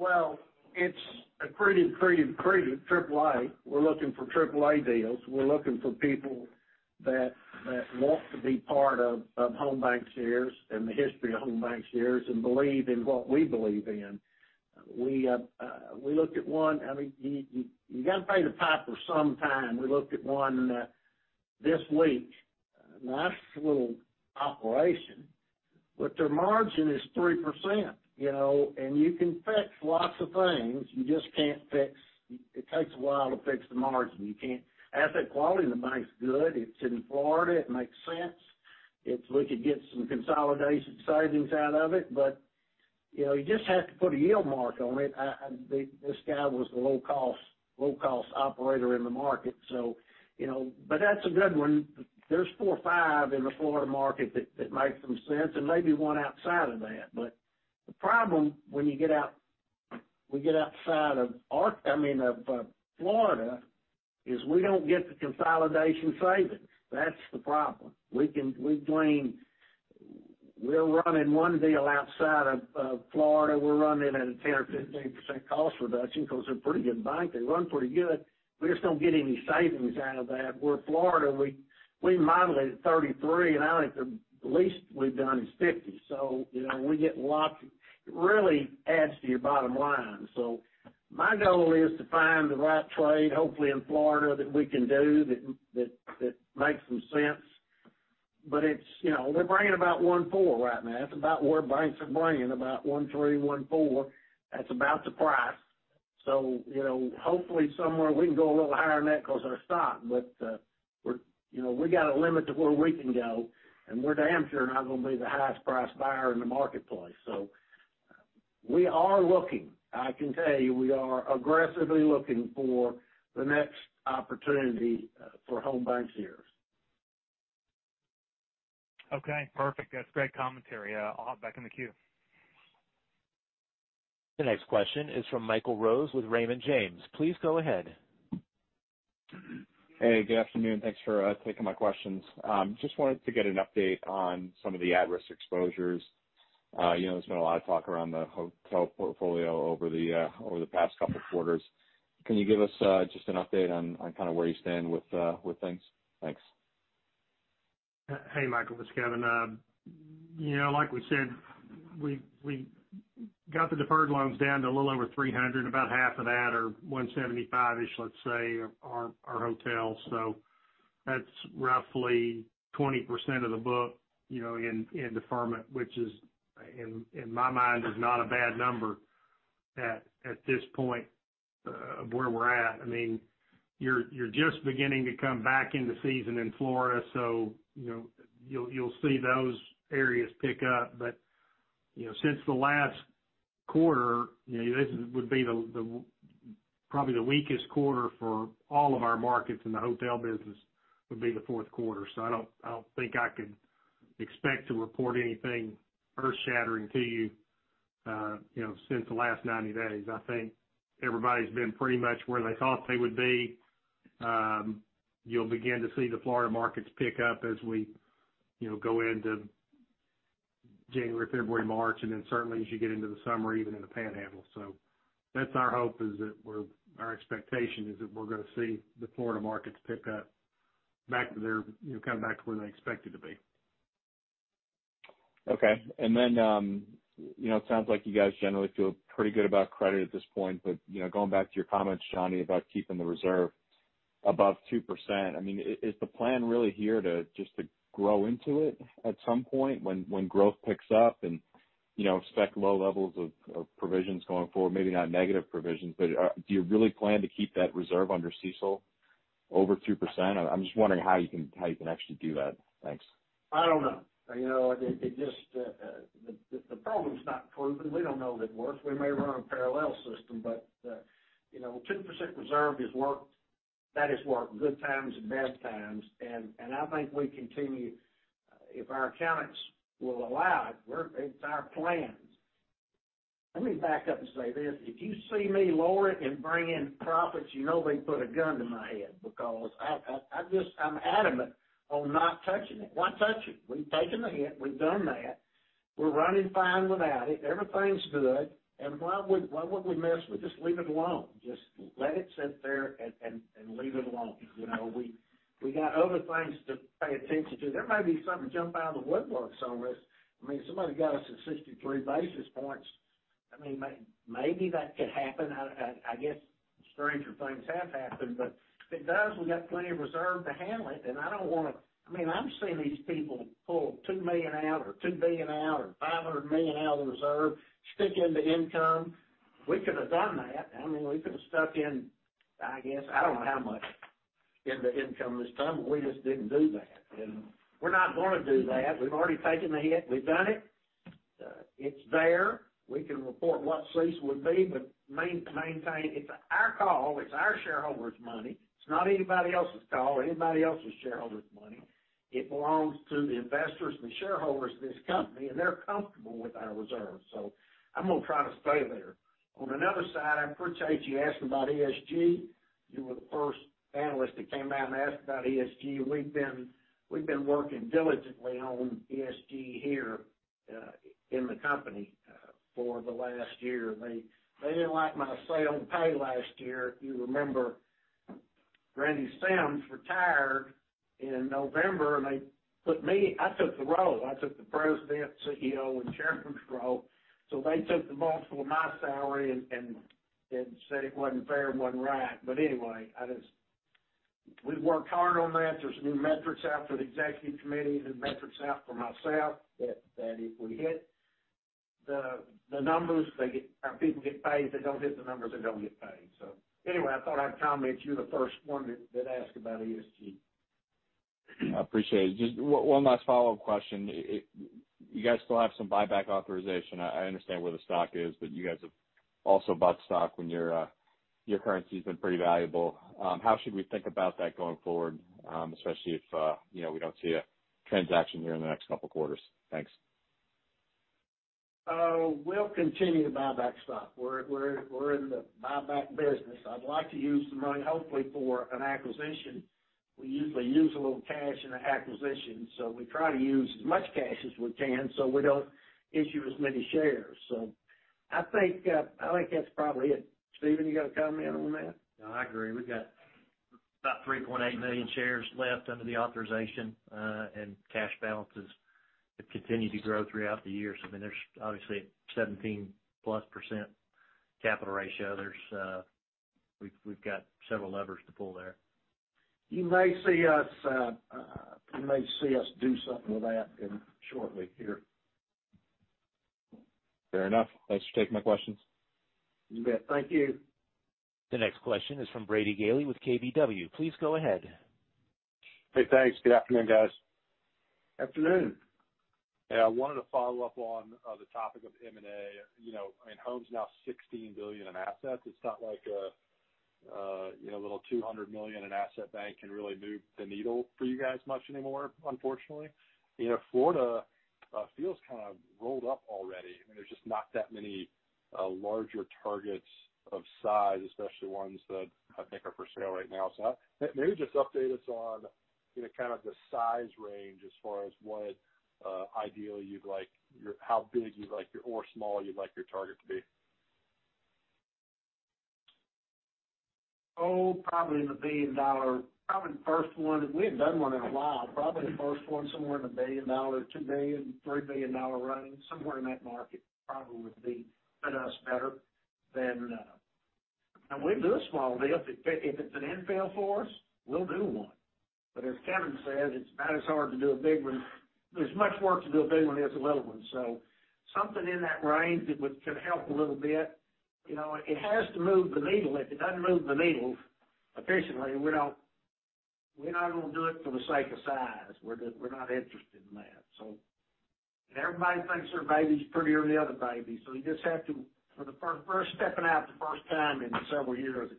Well, it's a pretty AAA. We're looking for AAA deals. We're looking for people that want to be part of Home BancShares and the history of Home BancShares and believe in what we believe in. We looked at one. You got to pay the piper sometime. We looked at one this week, nice little operation, but their margin is 3%. You can fix lots of things. It takes a while to fix the margin. Asset quality in the bank's good. It's in Florida. It makes sense. We could get some consolidation savings out of it, but you just have to put a yield mark on it. This guy was the low-cost operator in the market, but that's a good one. There's four or five in the Florida market that make some sense and maybe one outside of that. The problem when we get outside of Florida is we don't get the consolidation savings. That's the problem. We're running one deal outside of Florida. We're running at a 10% or 15% cost reduction because they're a pretty good bank. They run pretty good. We just don't get any savings out of that. Where Florida, we modeled it at 33, and I think the least we've done is 50. We get lots. It really adds to your bottom line. My goal is to find the right trade, hopefully in Florida, that we can do, that makes some sense. They're bringing about 1.4 right now. That's about where banks are bringing, about 1.3, 1.4. That's about the price. Hopefully somewhere we can go a little higher than that because of our stock. We got a limit to where we can go, and we're damn sure not going to be the highest priced buyer in the marketplace. We are looking. I can tell you, we are aggressively looking for the next opportunity for Home BancShares. Okay, perfect. That's great commentary. I'll hop back in the queue. The next question is from Michael Rose with Raymond James. Please go ahead. Hey, good afternoon. Thanks for taking my questions. Just wanted to get an update on some of the at-risk exposures. There has been a lot of talk around the hotel portfolio over the past couple of quarters. Can you give us just an update on where you stand with things? Thanks. Hey, Michael, it's Kevin. Like we said, we got the deferred loans down to a little over $300, about half of that, or $175-ish, let's say, are hotels. That's roughly 20% of the book in deferment, which is, in my mind, is not a bad number at this point of where we're at. You're just beginning to come back into season in Florida, so you'll see those areas pick up. Since the last quarter, this would be probably the weakest quarter for all of our markets in the hotel business, would be the fourth quarter. I don't think I could expect to report anything earth-shattering to you since the last 90 days. I think everybody's been pretty much where they thought they would be. You'll begin to see the Florida markets pick up as we go into January, February, March, and then certainly as you get into the summer, even in the Panhandle. That's our hope is that we're, our expectation is that we're going to see the Florida markets pick up back to where they're expected to be. Okay. It sounds like you guys generally feel pretty good about credit at this point. Going back to your comments, Johnny, about keeping the reserve above 2%, is the plan really here just to grow into it at some point when growth picks up and expect low levels of provisions going forward? Maybe not negative provisions, but do you really plan to keep that reserve under CECL over 2%? I'm just wondering how you can actually do that. Thanks. I don't know. The problem's not proven. We don't know if it works. We may run a parallel system, but 2% reserve has worked. That has worked good times and bad times, and I think we continue, if our accountants will allow it's our plan. Let me back up and say this. If you see me lower it and bring in profits, you know they put a gun to my head because I'm adamant on not touching it. Why touch it? We've taken the hit. We've done that. We're running fine without it. Everything's good. Why would we mess with just leave it alone? Just let it sit there and leave it alone. We got other things to pay attention to. There may be something jump out of the woodwork, some risk. Somebody got us at 63 basis points. Maybe that could happen. I guess stranger things have happened, but if it does, we got plenty of reserve to handle it. I'm seeing these people pull $2 million out or $2 billion out or $500 million out of the reserve, stick it into income. We could have done that. We could have stuck in, I guess, I don't know how much, in the income this time, but we just didn't do that. We're not going to do that. We've already taken the hit. We've done it. It's there. We can report what CECL would be, but maintain it's our call, it's our shareholders' money. It's not anybody else's call or anybody else's shareholders' money. It belongs to the investors and the shareholders of this company, and they're comfortable with our reserves. I'm going to try to stay there. On another side, I appreciate you asking about ESG. You were the first analyst that came out and asked about ESG. We've been working diligently on ESG here in the company for the last year. They didn't like my say on pay last year. If you remember, Randy Sims retired in November, I took the role, I took the President, CEO, and Chairman's role. They took the bulk of my salary and said it wasn't fair, it wasn't right. Anyway, we've worked hard on that. There's new metrics out for the executive committee, new metrics out for myself that if we hit the numbers, our people get paid. They don't hit the numbers, they don't get paid. Anyway, I thought I'd comment. You're the first one that asked about ESG. I appreciate it. Just one last follow-up question. You guys still have some buyback authorization. I understand where the stock is, but you guys have also bought stock when your currency's been pretty valuable. How should we think about that going forward, especially if we don't see a transaction here in the next couple of quarters? Thanks. We'll continue to buy back stock. We're in the buyback business. I'd like to use the money, hopefully, for an acquisition. We usually use a little cash in an acquisition, so we try to use as much cash as we can so we don't issue as many shares. I think that's probably it. Stephen, you got a comment on that? No, I agree. We've got about 3.8 million shares left under the authorization, and cash balances have continued to grow throughout the years. There's obviously a 17%+ capital ratio. We've got several levers to pull there. You may see us do something with that shortly here. Fair enough. Thanks for taking my questions. You bet. Thank you. The next question is from Brady Gailey with KBW. Please go ahead. Hey, thanks. Good afternoon, guys. Afternoon. Yeah, I wanted to follow up on the topic of M&A. Home's now $16 billion in assets. It's not like a little $200 million in asset bank can really move the needle for you guys much anymore, unfortunately. Florida feels kind of rolled up already. There's just not that many larger targets of size, especially ones that I think are for sale right now. Maybe just update us on kind of the size range as far as what ideally you'd like, how big you'd like or small you'd like your target to be. Probably in the billion-dollar. Probably the first one. We haven't done one in a while. Probably the first one somewhere in the billion-dollar, $2 billion-$3 billion range, somewhere in that market probably would fit us better than we'd do a small deal. If it's an infill for us, we'll do one. As Kevin says, it's about as hard to do a big one. There's as much work to do a big one as a little one. Something in that range that can help a little bit. It has to move the needle. If it doesn't move the needle efficiently, we're not going to do it for the sake of size. We're not interested in that. Everybody thinks their baby's prettier than the other baby. We just have to, for the first stepping out the first time in several years,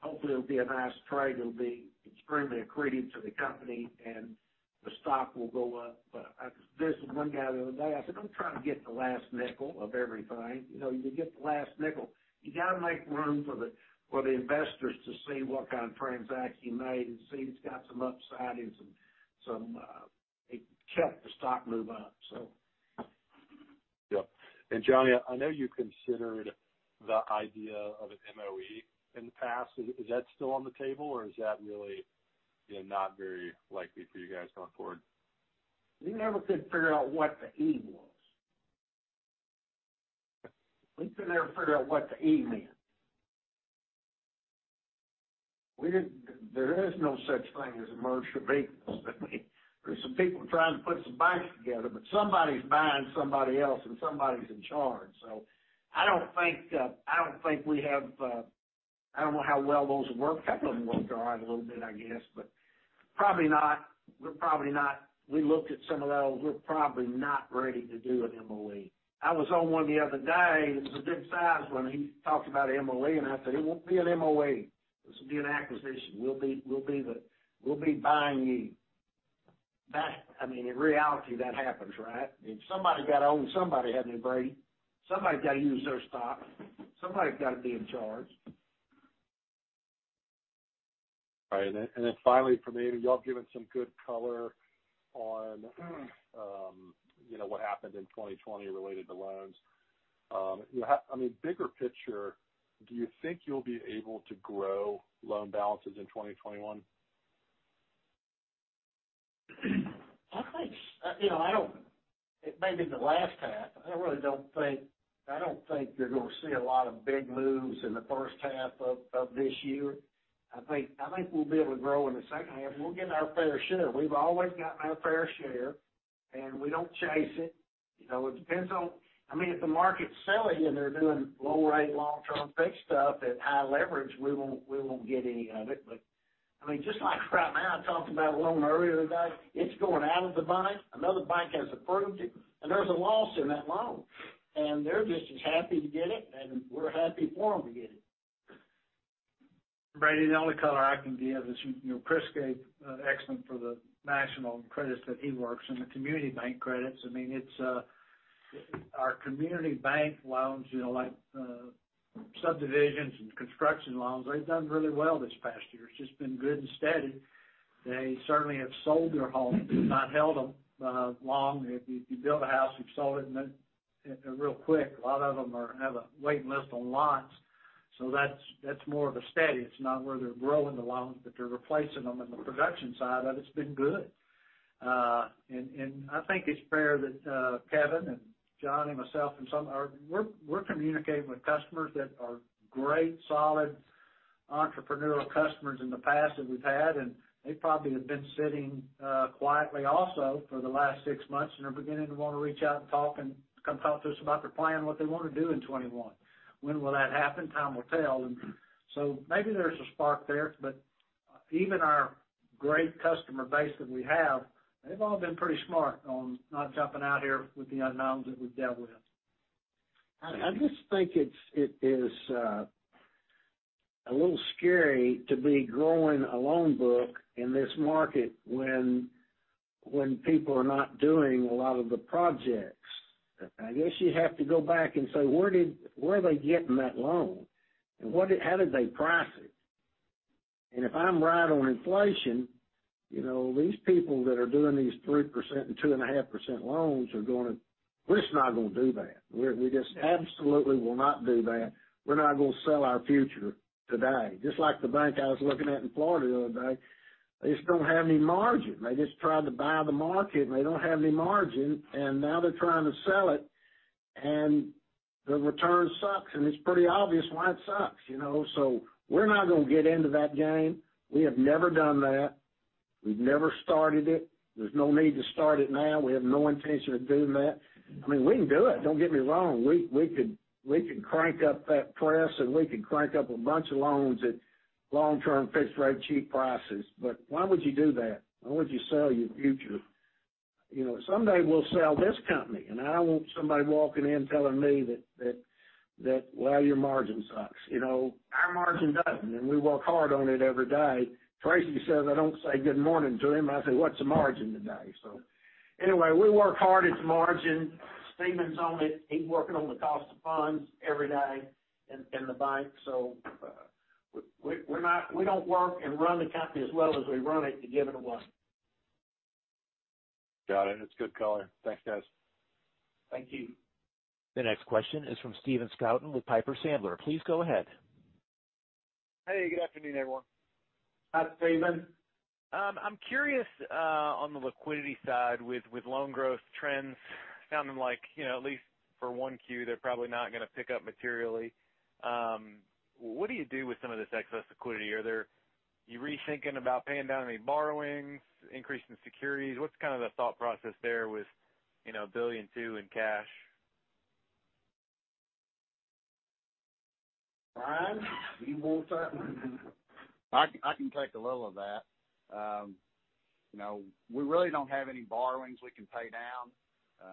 hopefully, it'll be a nice trade. It'll be extremely accretive to the company, and the stock will go up. I visited one guy the other day, I said, "I'm trying to get the last nickel of everything." You get the last nickel. You got to make room for the investors to see what kind of transaction you made and see it's got some upsides. It kept the stock move up. Yep. Johnny, I know you considered the idea of an MOE in the past. Is that still on the table, or is that really not very likely for you guys going forward? We never could figure out what the E was. We could never figure out what the E meant. There is no such thing as a merger of equals. There's some people trying to put some banks together. Somebody's buying somebody else, somebody's in charge. I don't know how well those have worked. A couple of them worked all right a little bit, I guess, probably not. We looked at some of those. We're probably not ready to do an MOE. I was on one the other day. It was a good size one. He talked about MOE. I said, "It won't be an MOE. This will be an acquisition. We'll be buying you." In reality, that happens, right? If somebody got owned, somebody had to be bought. Somebody got to use their stock. Somebody's got to be in charge. Right. Finally from me, you all have given some good color on what happened in 2020 related to loans. Bigger picture, do you think you will be able to grow loan balances in 2021? It may be the last half. I don't think you're going to see a lot of big moves in the first half of this year. I think we'll be able to grow in the second half. We'll get our fair share. We've always gotten our fair share, and we don't chase it. If the market's silly and they're doing low-rate, long-term fixed stuff at high leverage, we won't get any of it. Just like right now, I talked about a loan earlier today. It's going out of the bank. Another bank has approved it, and there's a loss in that loan. They're just as happy to get it, and we're happy for them to get it. Brady, the only color I can give is, Chris gave excellent for the national credits that he works, and the community bank credits. Our community bank loans, like subdivisions and construction loans, they've done really well this past year. It's just been good and steady. They certainly have sold their homes, not held them long. If you build a house, you've sold it real quick. A lot of them have a waiting list on lots. That's more of a steady. It's not where they're growing the loans, but they're replacing them on the production side of it. It's been good. I think it's fair that Kevin and Johnny, myself, we're communicating with customers that are great, solid entrepreneurial customers in the past that we've had, and they probably have been sitting quietly also for the last six months and are beginning to want to reach out and talk and come talk to us about their plan, what they want to do in 2021. When will that happen? Time will tell. Maybe there's a spark there, but even our great customer base that we have, they've all been pretty smart on not jumping out here with the unknowns that we've dealt with. I just think it is a little scary to be growing a loan book in this market when people are not doing a lot of the projects. I guess you have to go back and say, where are they getting that loan? How did they price it? If I'm right on inflation, these people that are doing these 3% and 2.5% loans, we're just not going to do that. We just absolutely will not do that. We're not going to sell our future today. Just like the bank I was looking at in Florida the other day, they just don't have any margin. They just tried to buy the market, and they don't have any margin. Now they're trying to sell it, and the return sucks, and it's pretty obvious why it sucks. We're not going to get into that game. We have never done that. We've never started it. There's no need to start it now. We have no intention of doing that. We can do it. Don't get me wrong. We could crank up that press, and we could crank up a bunch of loans at long-term fixed rate cheap prices. Why would you do that? Why would you sell your future? Someday we'll sell this company, and I don't want somebody walking in telling me that, "Well, your margin sucks." Our margin doesn't, and we work hard on it every day. Tracy says I don't say good morning to him. I say, "What's the margin today?" Anyway, we work hard. It's margin. Stephen's on it. He's working on the cost of funds every day in the bank. We don't work and run the company as well as we run it to give it away. Got it. It's good color. Thanks, guys. Thank you. The next question is from Stephen Scouten with Piper Sandler. Please go ahead. Hey, good afternoon, everyone. Hi, Stephen. I'm curious, on the liquidity side with loan growth trends sounding like at least for 1Q, they're probably not going to pick up materially. What do you do with some of this excess liquidity? Are you rethinking about paying down any borrowings, increasing securities? What's the thought process there with $1.2 billion in cash? Brian, you want that? I can take a little of that. We really don't have any borrowings we can pay down.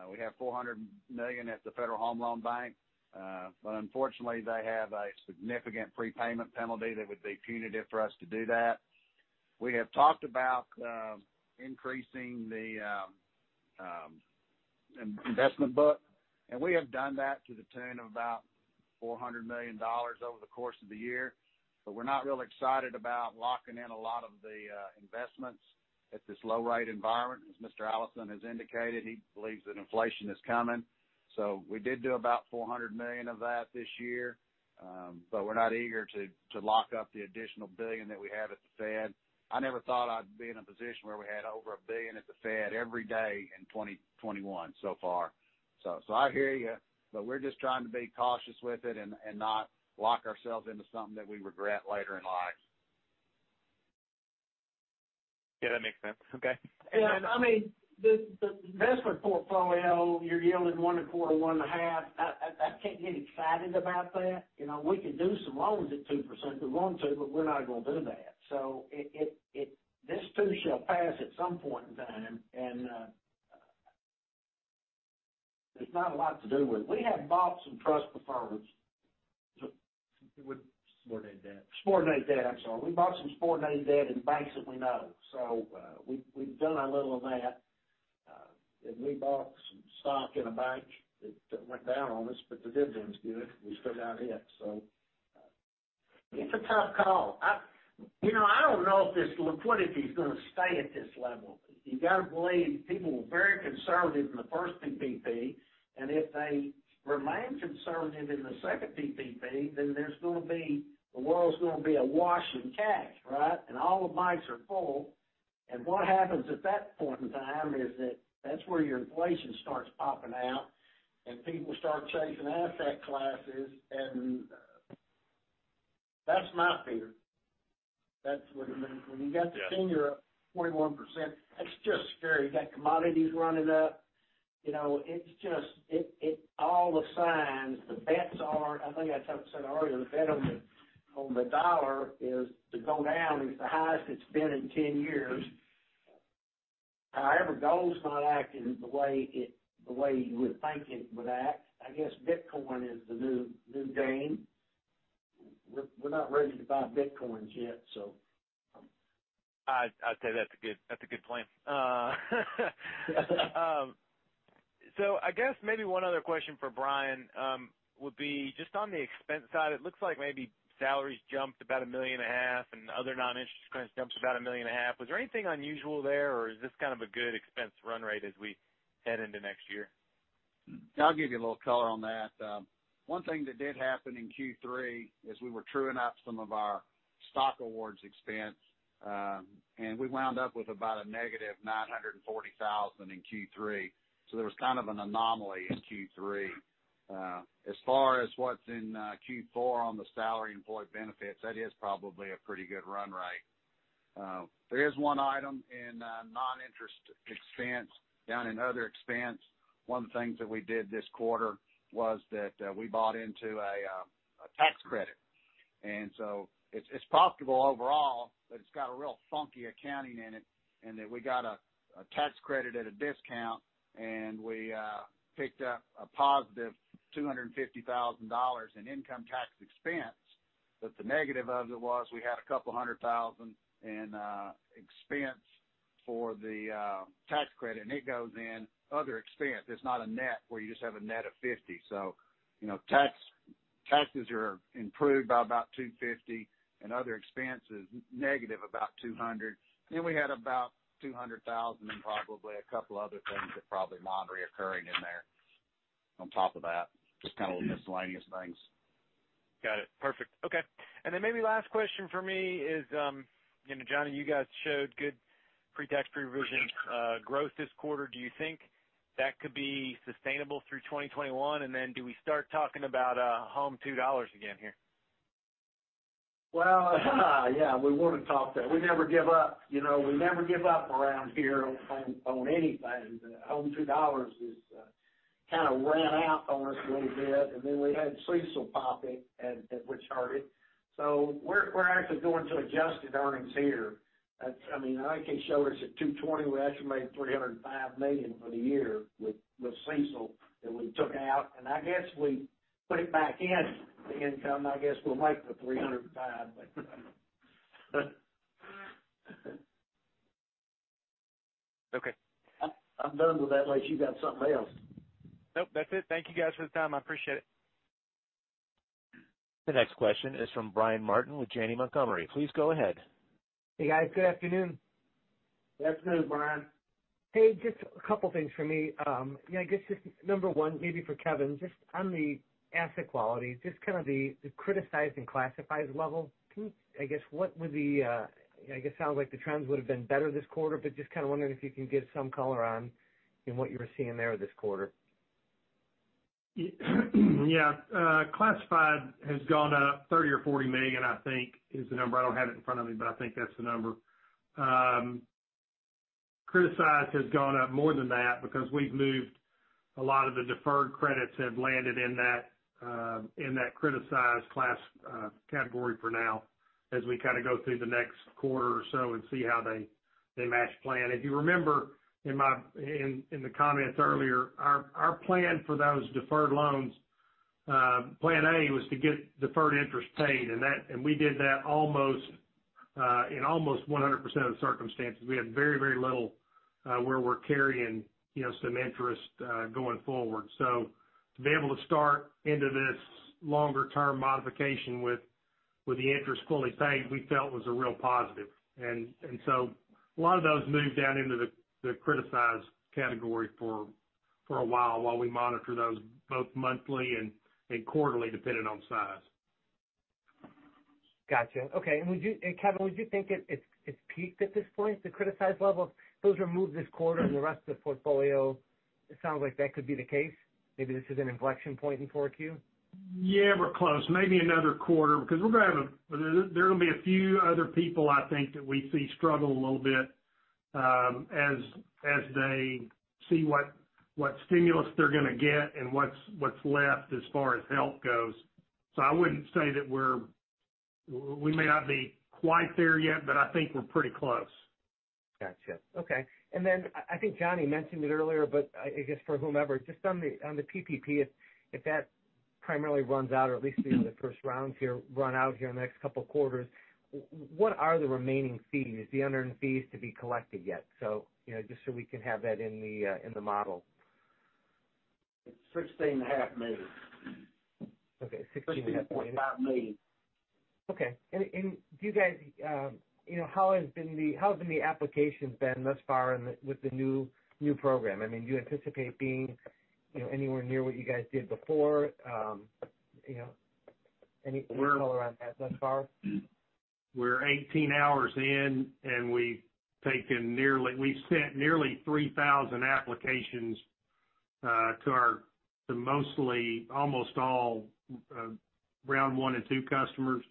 We have $400 million at the Federal Home Loan Bank. Unfortunately, they have a significant prepayment penalty that would be punitive for us to do that. We have talked about increasing the investment book, and we have done that to the tune of about $400 million over the course of the year. We're not real excited about locking in a lot of the investments at this low rate environment. As Mr. Allison has indicated, he believes that inflation is coming. We did do about $400 million of that this year. We're not eager to lock up the additional $1 billion that we have at the Fed. I never thought I'd be in a position where we had over $1 billion at the Fed every day in 2021 so far. I hear you, but we're just trying to be cautious with it and not lock ourselves into something that we regret later in life. Yeah, that makes sense. Okay. The investment portfolio, you're yielding 1.4%-1.5%. I can't get excited about that. We can do some loans at 2% if we want to, but we're not going to do that. This too shall pass at some point in time, and there's not a lot to do with it. We have bought some trust preferreds. With subordinated debt. Subordinated debt, I'm sorry. We bought some subordinated debt in banks that we know. We've done a little of that. We bought some stock in a bank that went down on us, but the dividend is good. We still got it. It's a tough call. I don't know if this liquidity is going to stay at this level. You got to believe people were very conservative in the first PPP, and if they remain conservative in the second PPP, then the world's going to be awash in cash, right? All the banks are full, and what happens at that point in time is that that's where your inflation starts popping out and people start chasing asset classes, and that's my fear. That's what it means. When you got the senior up 21%, that's just scary. You got commodities running up. It's just all the signs, the bets are, I think I said earlier, the bet on the dollar is to go down. It's the highest it's been in 10 years. However, gold's not acting the way you would think it would act. I guess Bitcoin is the new game. We're not ready to buy Bitcoins yet. I'd say that's a good point. I guess maybe one other question for Brian would be just on the expense side, it looks like maybe salaries jumped about $1.5 million and other non-interest expense jumps about $1.5 million. Was there anything unusual there, or is this kind of a good expense run rate as we head into next year? I'll give you a little color on that. One thing that did happen in Q3 is we were trueing up some of our stock awards expense, and we wound up with about a negative $940,000 in Q3, so there was kind of an anomaly in Q3. As far as what's in Q4 on the salary employee benefits, that is probably a pretty good run rate. There is one item in non-interest expense, down in other expense. One of the things that we did this quarter was that we bought into a tax credit. It's profitable overall, but it's got a real funky accounting in it, in that we got a tax credit at a discount, and we picked up a positive $250,000 in income tax expense. The negative of it was we had a couple of hundred thousand in expense for the tax credit, and it goes in other expense. It's not a net where you just have a net of $50. Taxes are improved by about $250 and other expenses, negative about $200. We had about $200,000 and probably a couple other things that probably non-recurring in there on top of that, just kind of miscellaneous things. Got it. Perfect. Okay. Maybe last question for me is, Johnny, you guys showed good pre-tax pre-provision growth this quarter. Do you think that could be sustainable through 2021? Do we start talking about Home at $2 again here? Well yeah, we want to talk that. We never give up around here on anything. Home at $2 just kind of ran out on us a little bit. We had CECL popping at which hurt it. We're actually going to adjusted earnings here. I mean, I think it showed us at $220 million. We actually made $305 million for the year with CECL that we took out. I guess we put it back in the income. I guess we'll make the $305 million. I'm done with that, unless you've got something else. Nope, that's it. Thank you guys for the time. I appreciate it. The next question is from Brian Martin with Janney Montgomery. Please go ahead. Hey, guys. Good afternoon. Afternoon, Brian. Hey, just a couple things for me. I guess just number one, maybe for Kevin, just on the asset quality, just kind of the criticized and classified level. It sounds like the trends would have been better this quarter, but just kind of wondering if you can give some color on what you were seeing there this quarter. Yeah. Classified has gone up $30 million or $40 million, I think is the number. I don't have it in front of me, but I think that's the number. Criticized has gone up more than that because we've moved a lot of the deferred credits have landed in that criticized class category for now as we kind of go through the next quarter or so and see how they match plan. If you remember in the comments earlier, our plan for those deferred loans, plan A was to get deferred interest paid, and we did that in almost 100% of the circumstances. We had very, very little where we're carrying some interest going forward. To be able to start into this longer-term modification with the interest fully paid, we felt was a real positive. A lot of those moved down into the criticized category for a while we monitor those both monthly and quarterly, depending on size. Got you. Okay. Kevin, would you think it's peaked at this point, the criticized level? Those removed this quarter and the rest of the portfolio, it sounds like that could be the case. Maybe this is an inflection point in 4Q? Yeah, we're close. Maybe another quarter, because there are going to be a few other people, I think, that we see struggle a little bit as they see what stimulus they're going to get and what's left as far as help goes. I wouldn't say that we may not be quite there yet, but I think we're pretty close. Got you. Okay. I think Johnny mentioned it earlier, but I guess for whomever, just on the PPP, if that primarily runs out or at least the first rounds here run out here in the next couple of quarters, what are the remaining fees, the unearned fees to be collected yet? Just so we can have that in the model. It's $16.5 million. Okay. $16.5 million. $16.5 million. Okay. How have the applications been thus far with the new program? I mean, do you anticipate being anywhere near what you guys did before? Any color on that thus far? We're 18 hours in, and we've sent nearly 3,000 applications to mostly almost all round 1 and 2 customers.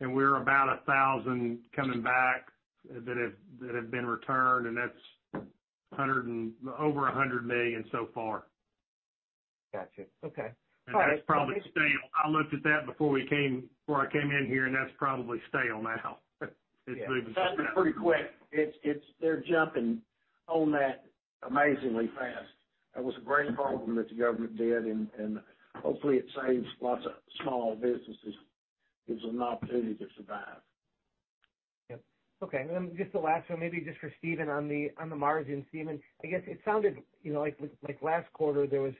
We're about 1,000 coming back that have been returned, and that's over $100 million so far. Got you. Okay. All right. That's probably stale. I looked at that before I came in here, and that's probably stale now. It's moving so fast. That was pretty quick. They're jumping on that amazingly fast. That was a great program that the government did, and hopefully it saves lots of small businesses, gives them an opportunity to survive. Yep. Okay. Just the last one, maybe just for Steven on the margin. Steven, I guess it sounded like last quarter, there was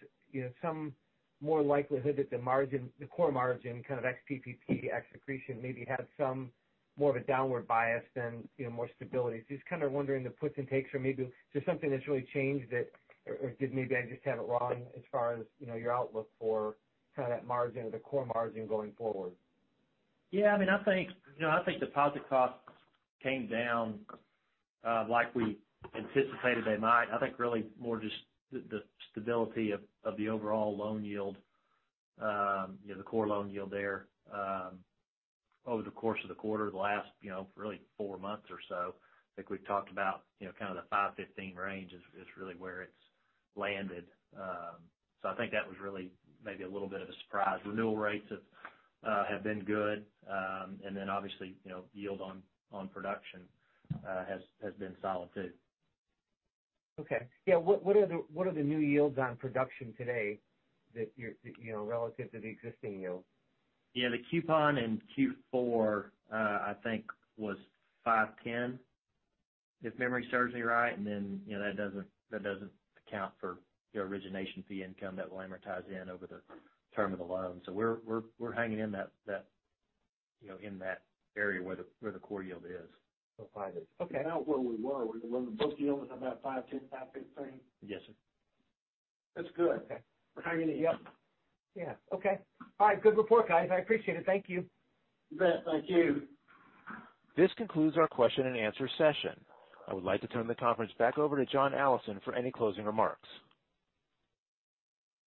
some more likelihood that the core margin, kind of ex PPP, ex accretion, maybe had some more of a downward bias than more stability. Just kind of wondering the puts and takes, or maybe just something that's really changed that, or maybe I just have it wrong as far as your outlook for kind of that margin or the core margin going forward. I think deposit costs came down like we anticipated they might. I think really more just the stability of the overall loan yield, the core loan yield there, over the course of the quarter, the last really four months or so. I think we've talked about kind of the 5.15% range is really where it's landed. I think that was really maybe a little bit of a surprise. Renewal rates have been good. Obviously, yield on production has been solid, too. Okay. Yeah. What are the new yields on production today relative to the existing yield? Yeah. The coupon in Q4, I think, was 5.10%, if memory serves me right. That doesn't account for the origination fee income that will amortize in over the term of the loan. We're hanging in that area where the core yield is. About where we were. Were both yields about 5.10%, 5.15%. Yes, sir. That's good. We're hanging in. Yep. Yeah. Okay. All right. Good report, guys. I appreciate it. Thank you. You bet. Thank you. This concludes our question-and-answer session. I would like to turn the conference back over to John Allison for any closing remarks.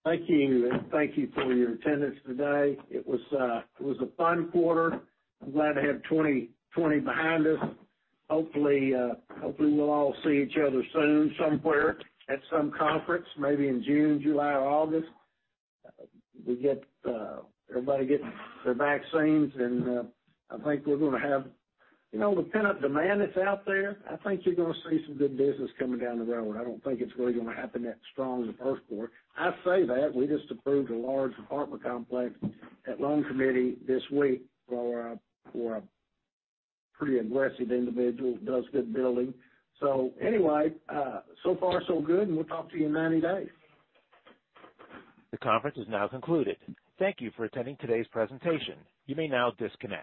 Thank you. Thank you for your attendance today. It was a fun quarter. I'm glad to have 2020 behind us. Hopefully, we'll all see each other soon somewhere at some conference, maybe in June, July, or August. Everybody getting their vaccines, I think we're going to have the pent-up demand that's out there. I think you're going to see some good business coming down the road. I don't think it's really going to happen that strong in the first quarter. I say that, we just approved a large apartment complex at loan committee this week for a pretty aggressive individual, does good building. Anyway, so far so good, and we'll talk to you in 90 days. The conference is now concluded. Thank you for attending today's presentation. You may now disconnect.